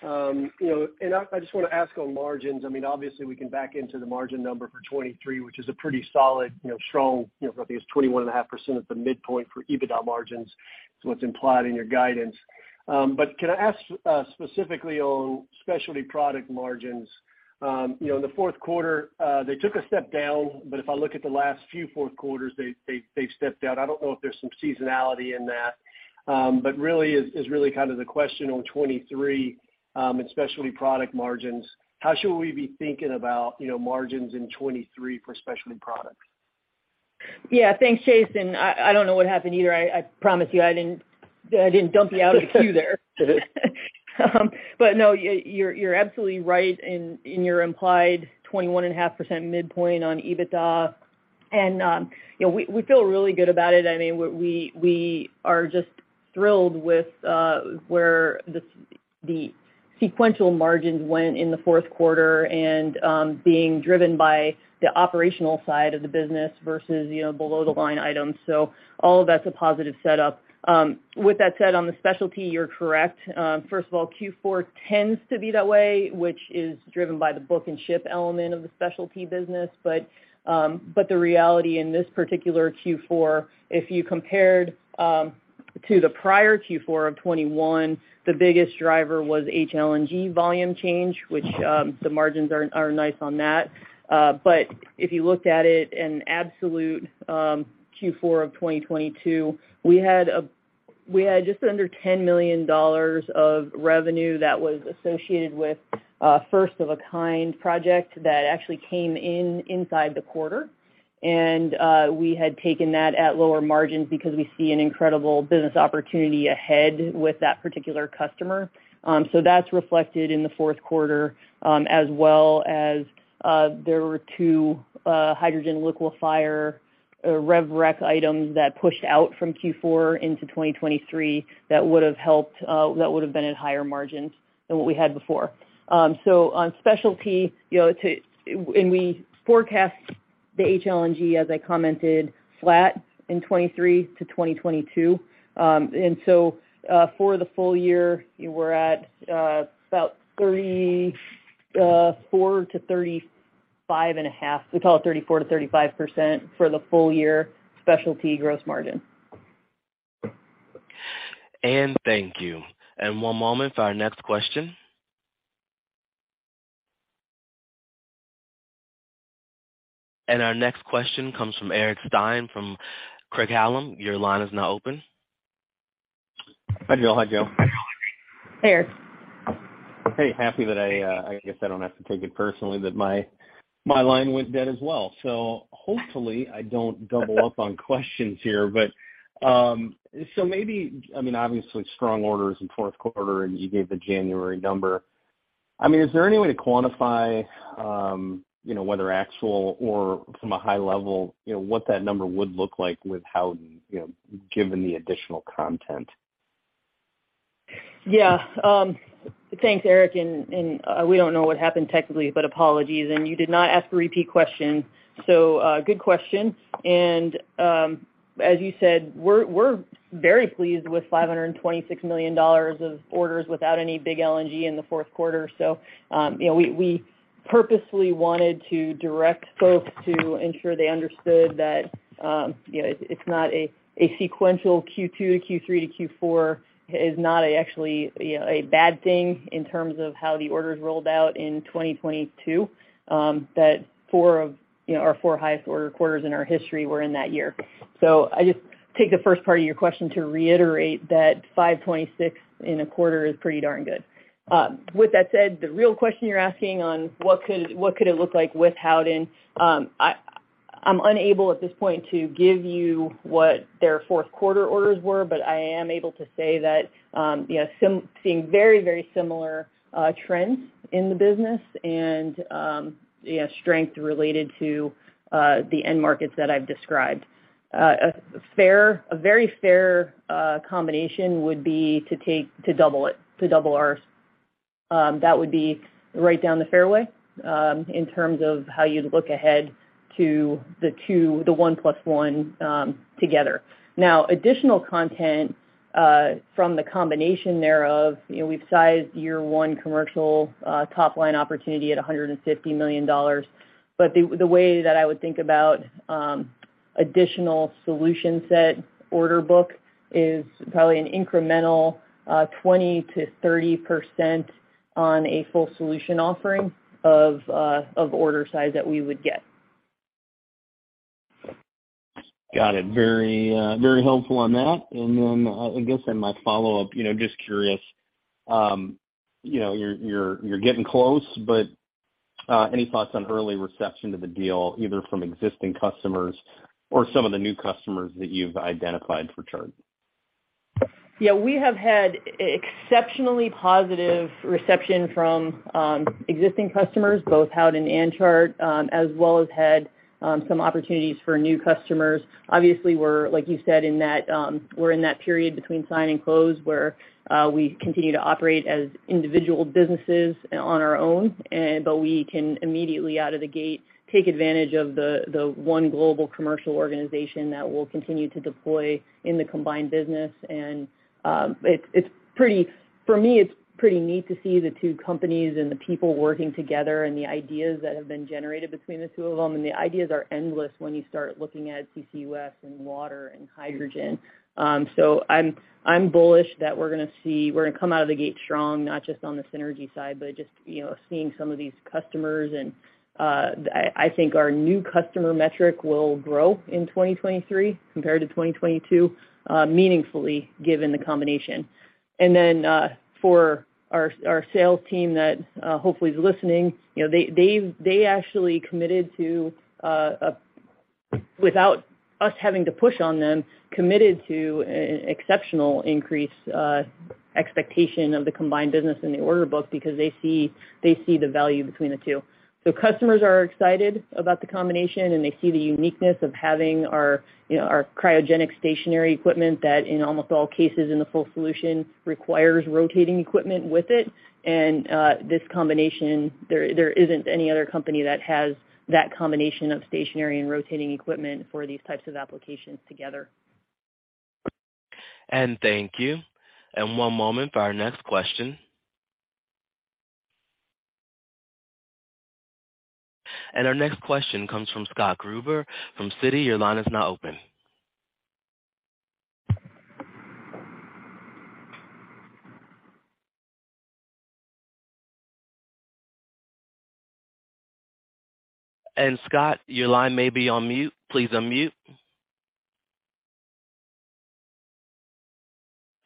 You know, I just wanna ask on margins. I mean, obviously we can back into the margin number for 23, which is a pretty solid, you know, strong, you know, I think it's 21.5% at the midpoint for EBITDA margins is what's implied in your guidance. Can I ask specifically on specialty product margins? You know, in the fourth quarter, they took a step down, if I look at the last few fourth quarters, they've stepped down. I don't know if there's some seasonality in that. Really is really kind of the question on 23 and specialty product margins. How should we be thinking about, you know, margins in 23 for specialty products? Yeah. Thanks, Chase. I don't know what happened either. I promise you I didn't, I didn't dump you out of the queue there. No, you're absolutely right in your implied 21.5% midpoint on EBITDA. You know, we feel really good about it. I mean, we are just thrilled with where the sequential margins went in the fourth quarter and being driven by the operational side of the business versus, you know, below the line items. All of that's a positive setup. With that said, on the specialty, you're correct. First of all, Q4 tends to be that way, which is driven by the book and ship element of the specialty business. The reality in this particular Q4, if you compared to the prior Q4 of 2021, the biggest driver was HLNG volume change, which, the margins are nice on that. If you looked at it in absolute Q4 of 2022, we had just under $10 million of revenue that was associated with a first of a kind project that actually came in inside the quarter. We had taken that at lower margins because we see an incredible business opportunity ahead with that particular customer. That's reflected in the fourth quarter, as well as there were two hydrogen liquefier rev rec items that pushed out from Q4 into 2023 that would've helped that would've been at higher margins than what we had before. On specialty, you know, and we forecast the HLNG, as I commented, flat in 2023-2022. For the full year, we're at about 34%-35.5%. We call it 34%-35% for the full year specialty gross margin. Thank you. One moment for our next question. Our next question comes from Eric Stine from Craig-Hallum. Your line is now open. Hi, Jill. Hi, Jill. Hey, Eric. Hey, happy that I guess I don't have to take it personally that my line went dead as well. Hopefully I don't double up on questions here. Maybe, I mean, obviously strong orders in fourth quarter, and you gave the January number. I mean, is there any way to quantify, you know, whether actual or from a high level, you know, what that number would look like with Howden, you know, given the additional content? Yeah. Thanks, Eric. We don't know what happened technically, but apologies. You did not ask a repeat question, so good question. As you said, we're very pleased with $526 million of orders without any big LNG in the fourth quarter. You know, we purposely wanted to direct folks to ensure they understood that, you know, it's not a sequential Q2-Q3-Q4 is not actually, you know, a bad thing in terms of how the orders rolled out in 2022. That 4 of, you know, our 4 highest order quarters in our history were in that year. I just take the first part of your question to reiterate that $526 million in a quarter is pretty darn good. With that said, the real question you're asking on what could it look like with Howden, I'm unable at this point to give you what their fourth quarter orders were, but I am able to say that, you know, seeing very, very similar trends in the business and, yeah, strength related to the end markets that I've described. A very fair combination would be to double it, to double ours. That would be right down the fairway in terms of how you'd look ahead to the 2, the 1+ 1, together. Additional content from the combination thereof, you know, we've sized year one commercial top line opportunity at $150 million. The way that I would think about additional solution set order book is probably an incremental 20%-30% on a full solution offering of order size that we would get. Got it. Very, very helpful on that. I guess in my follow-up, you know, just curious, you know, you're getting close, but any thoughts on early reception to the deal, either from existing customers or some of the new customers that you've identified for Chart? Yeah, we have had exceptionally positive reception from existing customers, both Howden and Chart, as well as had some opportunities for new customers. Obviously we're, like you said, in that, we're in that period between sign and close where we continue to operate as individual businesses on our own, but we can immediately out of the gate, take advantage of the one global commercial organization that we'll continue to deploy in the combined business. It's, it's pretty. For me, it's pretty neat to see the two companies and the people working together and the ideas that have been generated between the two of them, and the ideas are endless when you start looking at CCUS and water and hydrogen. I'm bullish that we're gonna come out of the gate strong, not just on the synergy side, but just, you know, seeing some of these customers. I think our new customer metric will grow in 2023 compared to 2022 meaningfully given the combination. Then for our sales team that hopefully is listening, you know, they actually committed to without us having to push on them, committed to exceptional increased expectation of the combined business in the order book because they see the value between the two. Customers are excited about the combination, and they see the uniqueness of having our, you know, our cryogenic stationary equipment that in almost all cases in the full solution requires rotating equipment with it. This combination there isn't any other company that has that combination of stationary and rotating equipment for these types of applications together. Thank you. One moment for our next question. Our next question comes from Scott Gruber from Citi. Your line is now open. Scott, your line may be on mute. Please unmute.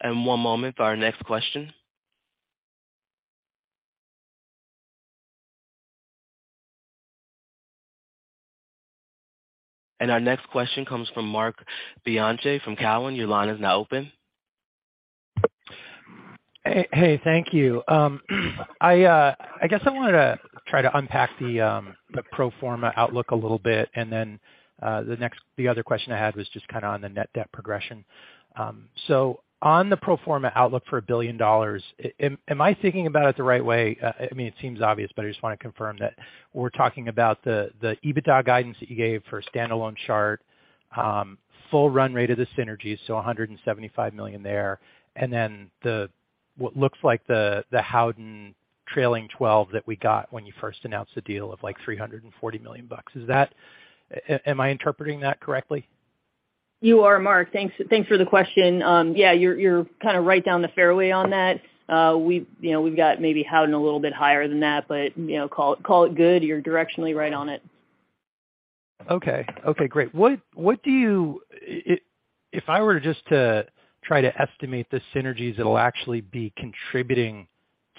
One moment for our next question. Our next question comes from Marc Bianchi from Cowen. Your line is now open. Hey, thank you. I guess I wanna try to unpack the pro forma outlook a little bit and then, the other question I had was just kinda on the net debt progression. On the pro forma outlook for $1 billion, am I thinking about it the right way? I mean, it seems obvious, but I just wanna confirm that we're talking about the EBITDA guidance that you gave for standalone Chart, full run rate of the synergies, so $175 million there, and then the, what looks like the Howden trailing twelve that we got when you first announced the deal of, like, $340 million. Is that? Am I interpreting that correctly? You are, Marc. Thanks for the question. Yeah, you're kinda right down the fairway on that. We've, you know, we've got maybe Howden a little bit higher than that, but, you know, call it good. You're directionally right on it. Okay, great. If I were just to try to estimate the synergies that'll actually be contributing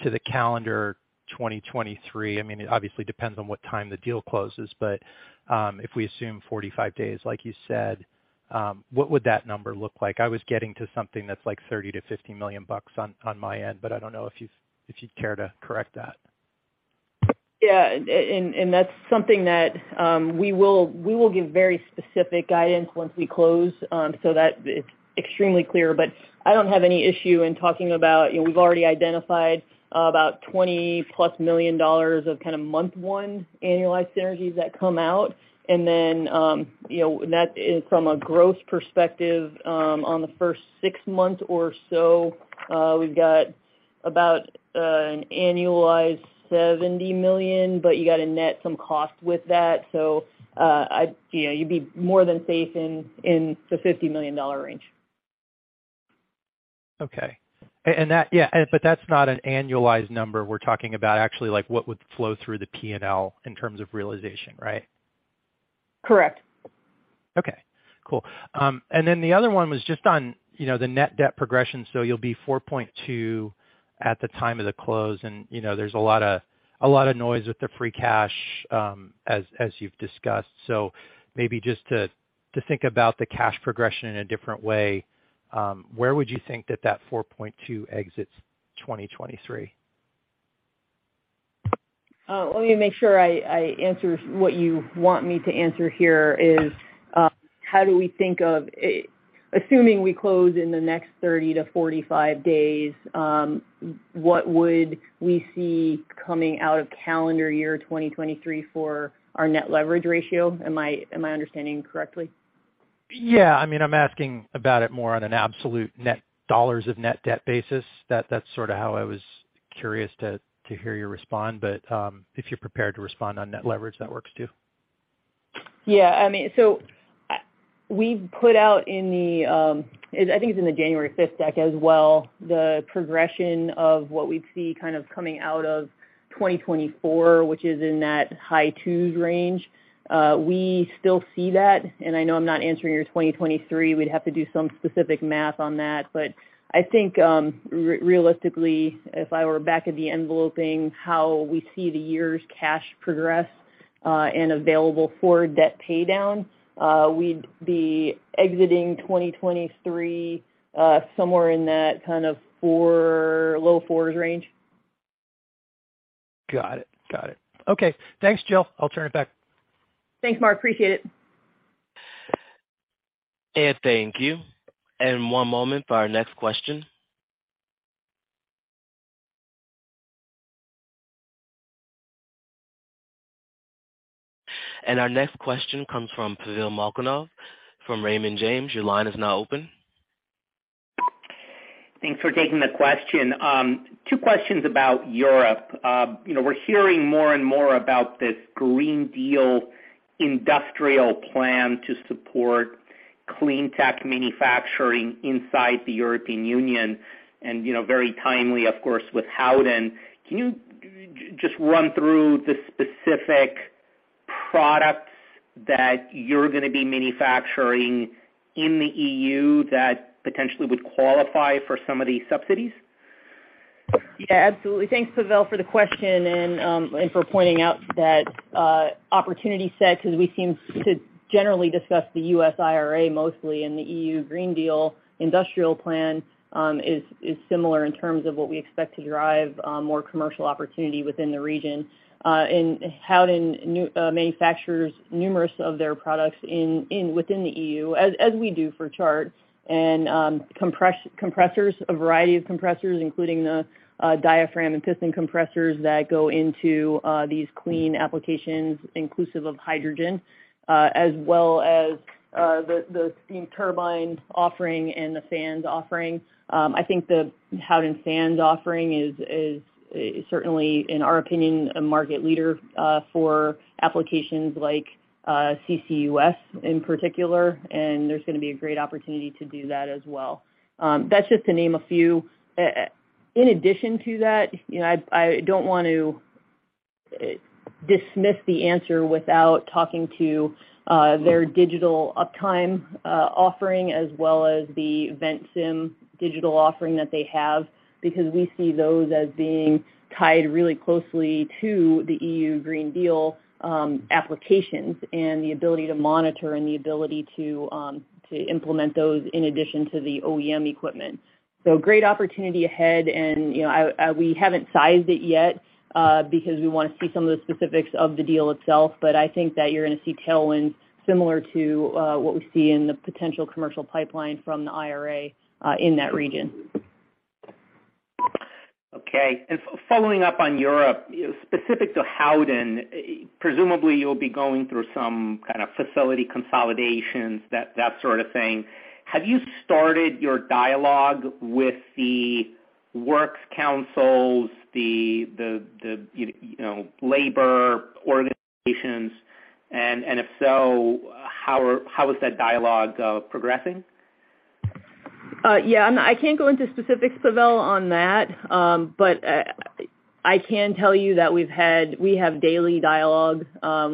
to the calendar 2023, I mean, it obviously depends on what time the deal closes. If we assume 45 days, like you said, what would that number look like? I was getting to something that's, like, $30 million-$50 million on my end, but I don't know if you'd care to correct that. Yeah. That's something that we will, we will give very specific guidance once we close, so that it's extremely clear. I don't have any issue in talking about, you know, we've already identified about $20+ million of kinda month one annualized synergies that come out. You know, that is from a growth perspective on the first six months or so, we've got about an annualized $70 million, but you gotta net some cost with that. You know, you'd be more than safe in the $50 million range. That... Yeah, that's not an annualized number we're talking about actually, like, what would flow through the P&L in terms of realization, right? Correct. Okay, cool. The other one was just on, you know, the net debt progression. You'll be $4.2 at the time of the close, and you know, there's a lot of noise with the free cash, as you've discussed. Maybe just to think about the cash progression in a different way, where would you think that that $4.2 exits 2023? Let me make sure I answer what you want me to answer here is, how do we think of, assuming we close in the next 30-45 days, what would we see coming out of calendar year 2023 for our net leverage ratio? Am I understanding correctly? Yeah. I mean, I'm asking about it more on an absolute net dollars of net debt basis. That's sort of how I was curious to hear you respond. If you're prepared to respond on net leverage, that works too. I mean, we've put out in the, I think it's in the January 5th deck as well, the progression of what we'd see kind of coming out of 2024, which is in that high 2s range. We still see that. I know I'm not answering your 2023. We'd have to do some specific math on that. I think, realistically, if I were back of the enveloping how we see the years cash progress, and available for debt pay down, we'd be exiting 2023, somewhere in that kind of 4, low 4s range. Got it. Got it. Okay. Thanks, Jill. I'll turn it back. Thanks, Marc. Appreciate it. Thank you. One moment for our next question. Our next question comes from Pavel Molchanov, from Raymond James. Your line is now open. Thanks for taking the question. 2 questions about Europe. You know, we're hearing more and more about this Green Deal Industrial Plan to support clean tech manufacturing inside the European Union and, you know, very timely, of course, with Howden. Can you just run through the specific products that you're gonna be manufacturing in the EU that potentially would qualify for some of these subsidies? Yeah, absolutely. Thanks, Pavel, for the question and for pointing out that opportunity set, because we seem to generally discuss the U.S. IRA mostly. The Green Deal Industrial Plan is similar in terms of what we expect to drive more commercial opportunity within the region. Howden manufactures numerous of their products in within the EU, as we do for Chart. Compressors, a variety of compressors, including the diaphragm and piston compressors that go into these clean applications, inclusive of hydrogen, as well as the steam turbine offering and the fans offering. I think the Howden fans offering is certainly, in our opinion, a market leader, for applications like CCUS in particular, and there's gonna be a great opportunity to do that as well. That's just to name a few. In addition to that, you know, I don't want to dismiss the answer without talking to their digital uptime offering as well as the Ventsim digital offering that they have, because we see those as being tied really closely to the EU Green Deal applications and the ability to monitor and the ability to implement those in addition to the OEM equipment. Great opportunity ahead and, you know, we haven't sized it yet, because we wanna see some of the specifics of the deal itself, but I think that you're gonna see tailwinds similar to what we see in the potential commercial pipeline from the IRA in that region. Okay. Following up on Europe, specific to Howden, presumably you'll be going through some kind of facility consolidations, that sort of thing. Have you started your dialogue with the works councils, the, you know, labor organizations? If so, how is that dialogue progressing? Yeah, I can't go into specifics, Pavel, on that. I can tell you that we have daily dialogue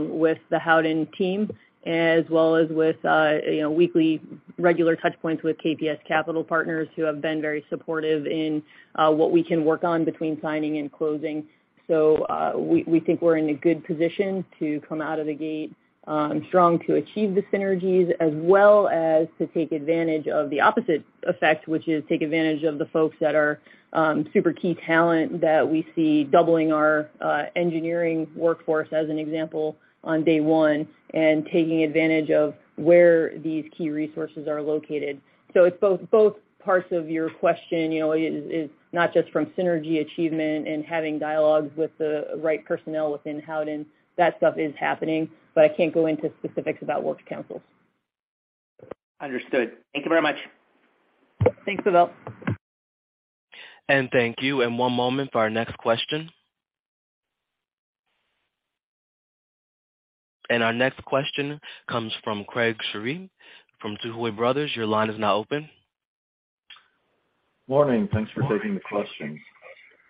with the Howden team as well as with, you know, weekly regular touch points with KPS Capital Partners, who have been very supportive in what we can work on between signing and closing. We think we're in a good position to come out of the gate strong to achieve the synergies as well as to take advantage of the opposite effect, which is take advantage of the folks that are super key talent that we see doubling our engineering workforce, as an example, on day one, and taking advantage of where these key resources are located. It's both parts of your question. You know, it is not just from synergy achievement and having dialogues with the right personnel within Howden. That stuff is happening, but I can't go into specifics about works councils. Understood. Thank you very much. Thanks, Pavel. Thank you. One moment for our next question. Our next question comes from Craig Shere from Tuohy Brothers. Your line is now open. Morning. Thanks for taking the questions.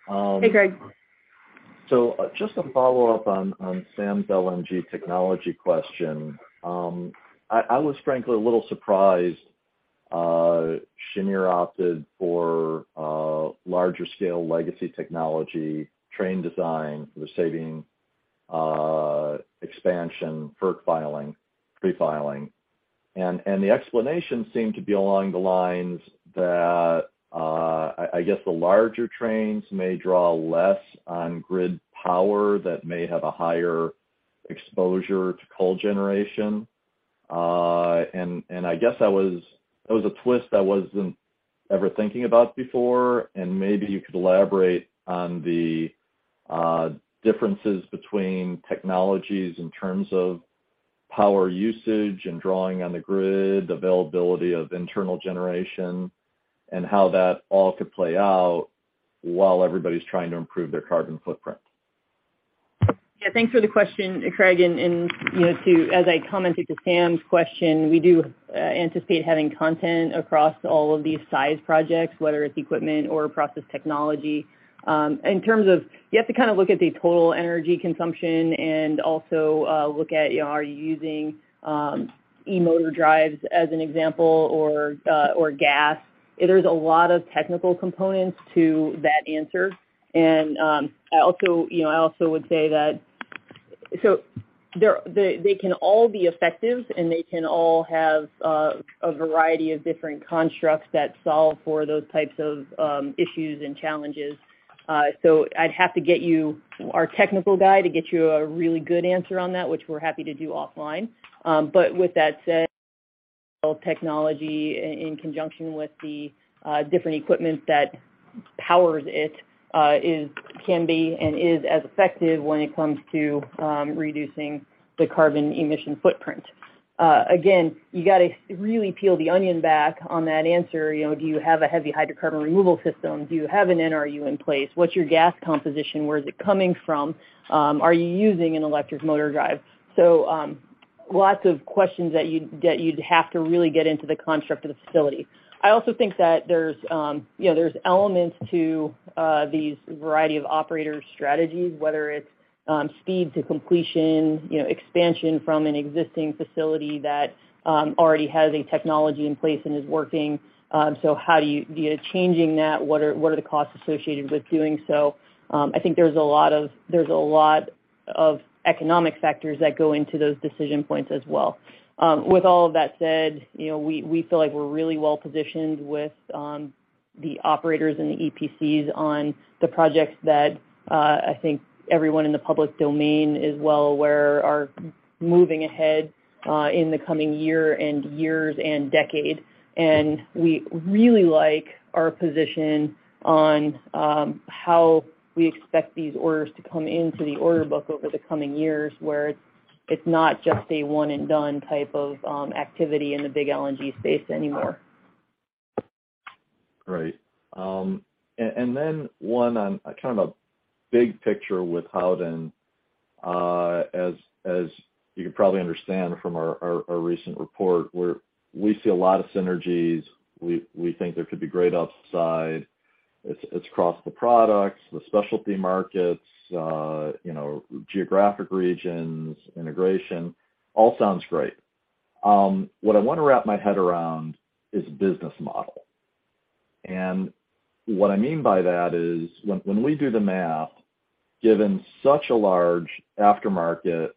Hey, Craig. Just a follow-up on Sam's LNG technology question. I was frankly a little surprised, Cheniere opted for larger scale legacy technology train design for the Sabine expansion FERC filing, pre-filing. The explanation seemed to be along the lines that, I guess the larger trains may draw less on grid power that may have a higher exposure to coal generation. I guess that was a twist I wasn't ever thinking about before. Maybe you could elaborate on the differences between technologies in terms of power usage and drawing on the grid, availability of internal generation, and how that all could play out while everybody's trying to improve their carbon footprint. Yeah, thanks for the question, Craig. you know, as I commented to Sam's question, we do anticipate having content across all of these size projects, whether it's equipment or process technology. In terms of you have to kind of look at the total energy consumption and also look at, you know, are you using e-motor drives as an example or gas. There's a lot of technical components to that answer. I also, you know, I also would say that they can all be effective, and they can all have a variety of different constructs that solve for those types of issues and challenges. I'd have to get you our technical guy to get you a really good answer on that, which we're happy to do offline. With that said, technology in conjunction with the different equipment that powers it, can be and is as effective when it comes to reducing the carbon emission footprint. Again, you got to really peel the onion back on that answer. You know, do you have a heavy hydrocarbon removal system? Do you have an NRU in place? What's your gas composition? Where is it coming from? Are you using an electric motor drive? Lots of questions that you'd have to really get into the construct of the facility. I also think that there's, you know, there's elements to these variety of operator strategies, whether it's speed to completion, you know, expansion from an existing facility that already has a technology in place and is working. How do you know, changing that, what are the costs associated with doing so? I think there's a lot of economic factors that go into those decision points as well. With all of that said, you know, we feel like we're really well positioned with the operators and the EPCs on the projects that I think everyone in the public domain is well aware are moving ahead in the coming year and years and decade. We really like our position on, how we expect these orders to come into the order book over the coming years, where it's not just a one and done type of, activity in the big LNG space anymore. Great. One on kind of a big picture with Howden. As you can probably understand from our, our recent report, we see a lot of synergies. We, we think there could be great upside. It's, it's across the products, the specialty markets, you know, geographic regions, integration, all sounds great. What I wanna wrap my head around is business model. What I mean by that is when we do the math, given such a large aftermarket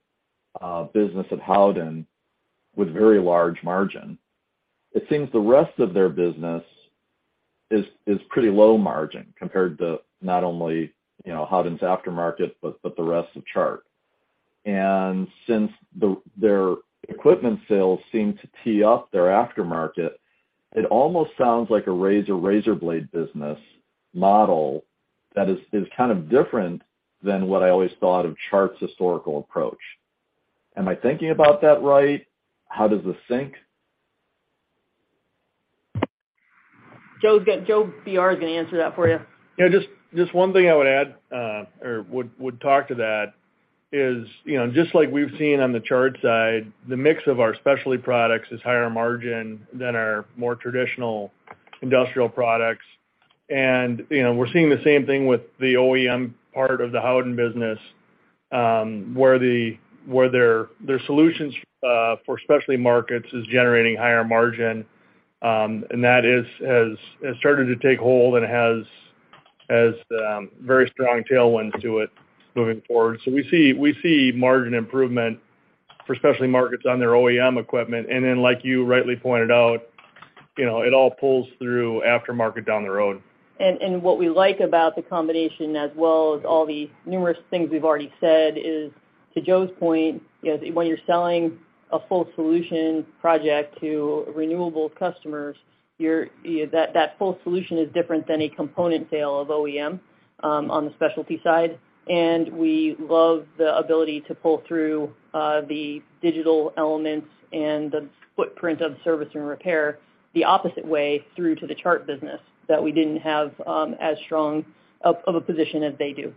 business at Howden with very large margin, it seems the rest of their business is pretty low margin compared to not only, you know, Howden's aftermarket, but the rest of Chart. Since their equipment sales seem to tee up their aftermarket, it almost sounds like a razor blade business model that is kind of different than what I always thought of Chart's historical approach. Am I thinking about that right? How does this sync? Joe Belling is gonna answer that for you. Yeah, just one thing I would add, or would talk to that is, you know, just like we've seen on the Chart side, the mix of our specialty products is higher margin than our more traditional industrial products. You know, we're seeing the same thing with the OEM part of the Howden business, where their solutions, for specialty markets is generating higher margin. That is has started to take hold and has very strong tailwinds to it moving forward. We see margin improvement for specialty markets on their OEM equipment. Then like you rightly pointed out, you know, it all pulls through aftermarket down the road. What we like about the combination as well as all the numerous things we've already said is, to Joe's point, you know, when you're selling a full solution project to renewable customers, that full solution is different than a component sale of OEM on the specialty side. We love the ability to pull through the digital elements and the footprint of service and repair the opposite way through to the Chart business that we didn't have as strong of a position as they do.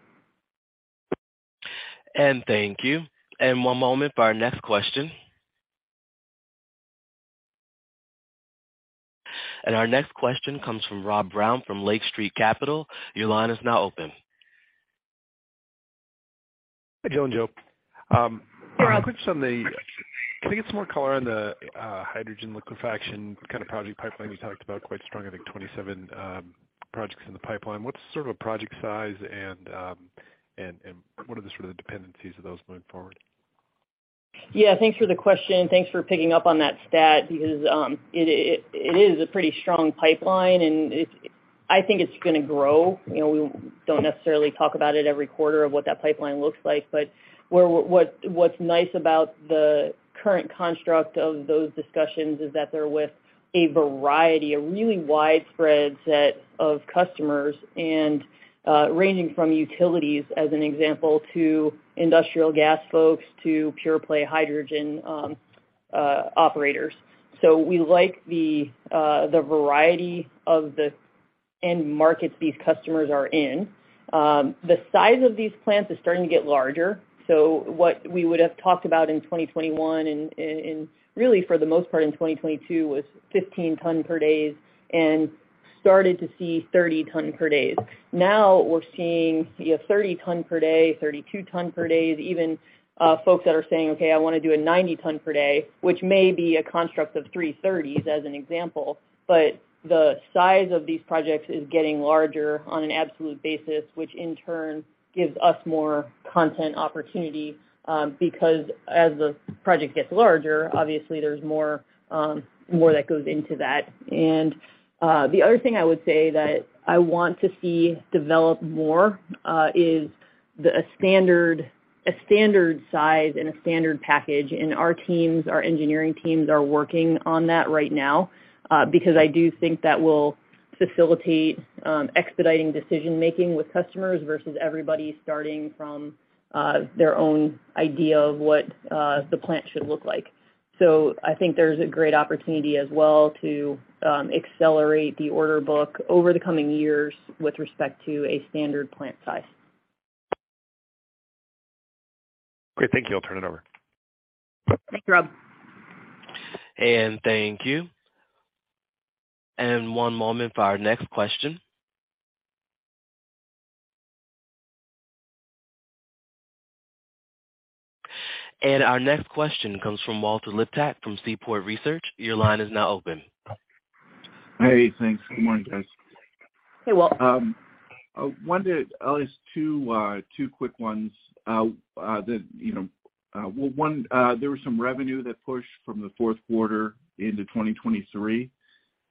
Thank you. One moment for our next question. Our next question comes from Rob Brown from Lake Street Capital. Your line is now open. Hi, Jill and Joe. Quick questions: Can we get some more color on the hydrogen liquefaction kind of project pipeline you talked about, quite strong, I think 27 projects in the pipeline? What's sort of a project size and what are the sort of dependencies of those moving forward? Yeah. Thanks for the question. Thanks for picking up on that stat because it is a pretty strong pipeline, and I think it's gonna grow. You know, we don't necessarily talk about it every quarter of what that pipeline looks like, but what's nice about the current construct of those discussions is that they're with a variety, a really widespread set of customers and ranging from utilities, as an example, to industrial gas folks to pure play hydrogen operators. We like the variety of the end markets these customers are in. The size of these plants is starting to get larger. What we would have talked about in 2021 and really for the most part in 2022 was 15 ton per days and started to see 30 ton per days. Now we're seeing, you know, 30 ton per day, 32 ton per days, even folks that are saying, "Okay, I want to do a 90 ton per day," which may be a construct of 3 30s, as an example. The size of these projects is getting larger on an absolute basis, which in turn gives us more content opportunity, because as the project gets larger, obviously there's more, more that goes into that. The other thing I would say that I want to see develop more is a standard, a standard size and a standard package, and our teams, our engineering teams are working on that right now. Because I do think that will facilitate expediting decision-making with customers versus everybody starting from their own idea of what the plant should look like. I think there's a great opportunity as well to accelerate the order book over the coming years with respect to a standard plant size. Great. Thank you. I'll turn it over. Thanks, Rob. Thank you. One moment for our next question. Our next question comes from Walter Liptak from Seaport Research. Your line is now open. Hey, thanks. Good morning, guys. Hey, Walter. I wonder at least two quick ones. The, you know, well, one, there was some revenue that pushed from the fourth quarter into 2023.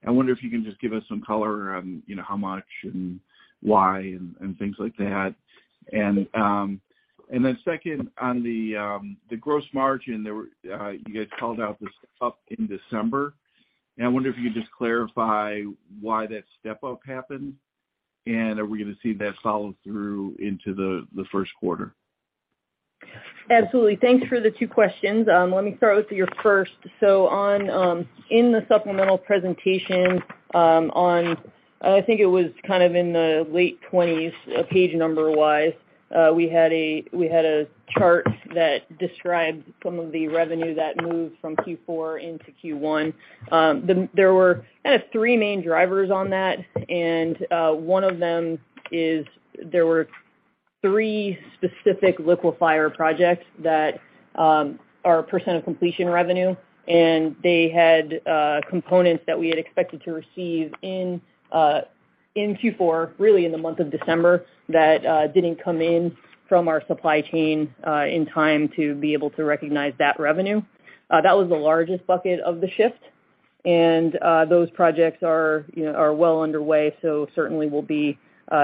I wonder if you can just give us some color on, you know, how much and why and things like that. Then second, on the gross margin, you guys called out this up in December, and I wonder if you could just clarify why that step up happened, and are we gonna see that follow through into the first quarter? Absolutely. Thanks for the 2 questions. Let me start with your first. On, in the supplemental presentation, I think it was kind of in the late 20s, page number-wise, we had a chart that described some of the revenue that moved from Q4 into Q1. There were kind of 3 main drivers on that. One of them is there were 3 specific liquefier projects that are % of completion revenue, and they had components that we had expected to receive in Q4, really in the month of December that didn't come in from our supply chain in time to be able to recognize that revenue. That was the largest bucket of the shift. those projects are, you know, are well underway, so certainly will be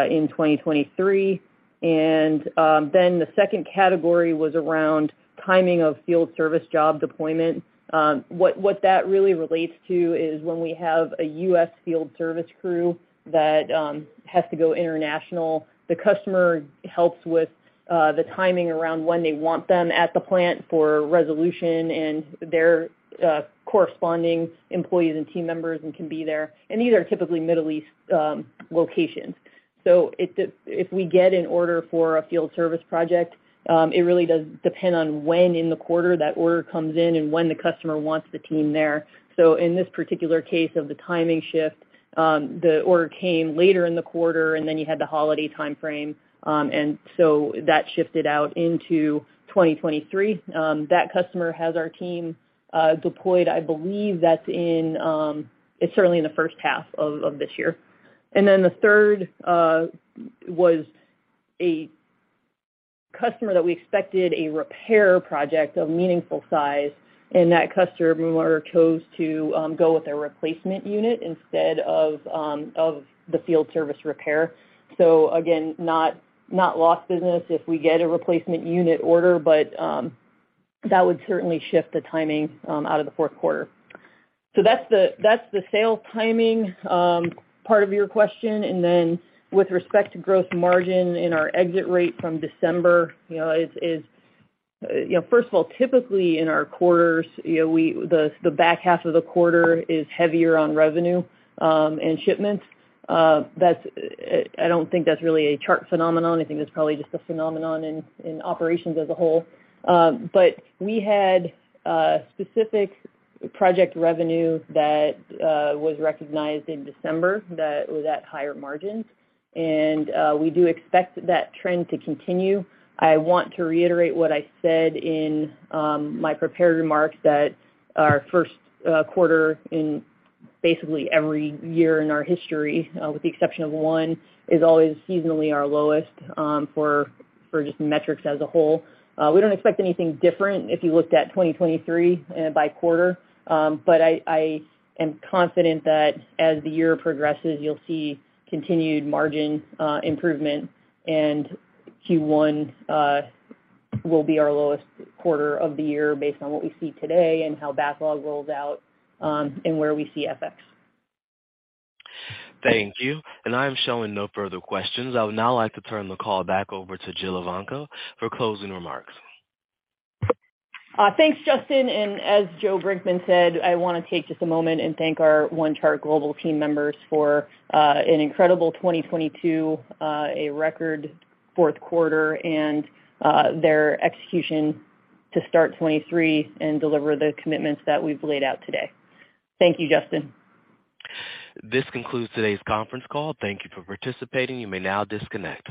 in 2023. Then the second category was around timing of field service job deployment. What that really relates to is when we have a U.S. field service crew that has to go international, the customer helps with the timing around when they want them at the plant for resolution and their corresponding employees and team members can be there. These are typically Middle East locations. If we get an order for a field service project, it really does depend on when in the quarter that order comes in and when the customer wants the team there. In this particular case of the timing shift, the order came later in the quarter, and then you had the holiday timeframe, and so that shifted out into 2023. That customer has our team deployed. I believe that's in, it's certainly in the first half of this year. The third was a customer that we expected a repair project of meaningful size, and that customer chose to go with a replacement unit instead of the field service repair. Again, not lost business if we get a replacement unit order, but that would certainly shift the timing out of the fourth quarter. That's the sales timing part of your question. With respect to gross margin and our exit rate from December, you know, it's, you know, first of all, typically in our quarters, you know, the back half of the quarter is heavier on revenue and shipments. That's, I don't think that's really a Chart phenomenon. I think that's probably just a phenomenon in operations as a whole. But we had specific project revenue that was recognized in December that was at higher margins, and we do expect that trend to continue. I want to reiterate what I said in my prepared remarks that our first quarter in basically every year in our history, with the exception of one, is always seasonally our lowest, for just metrics as a whole. We don't expect anything different if you looked at 2023 by quarter. I am confident that as the year progresses, you'll see continued margin improvement. Q1 will be our lowest quarter of the year based on what we see today and how backlog rolls out and where we see FX. Thank you. I am showing no further questions. I would now like to turn the call back over to Jill Evanko for closing remarks. Thanks, Justin. As Joe Brinkman said, I wanna take just a moment and thank our OneChart global team members for an incredible 2022, a record fourth quarter and their execution to start 2023 and deliver the commitments that we've laid out today. Thank you, Justin. This concludes today's conference call. Thank you for participating. You may now disconnect.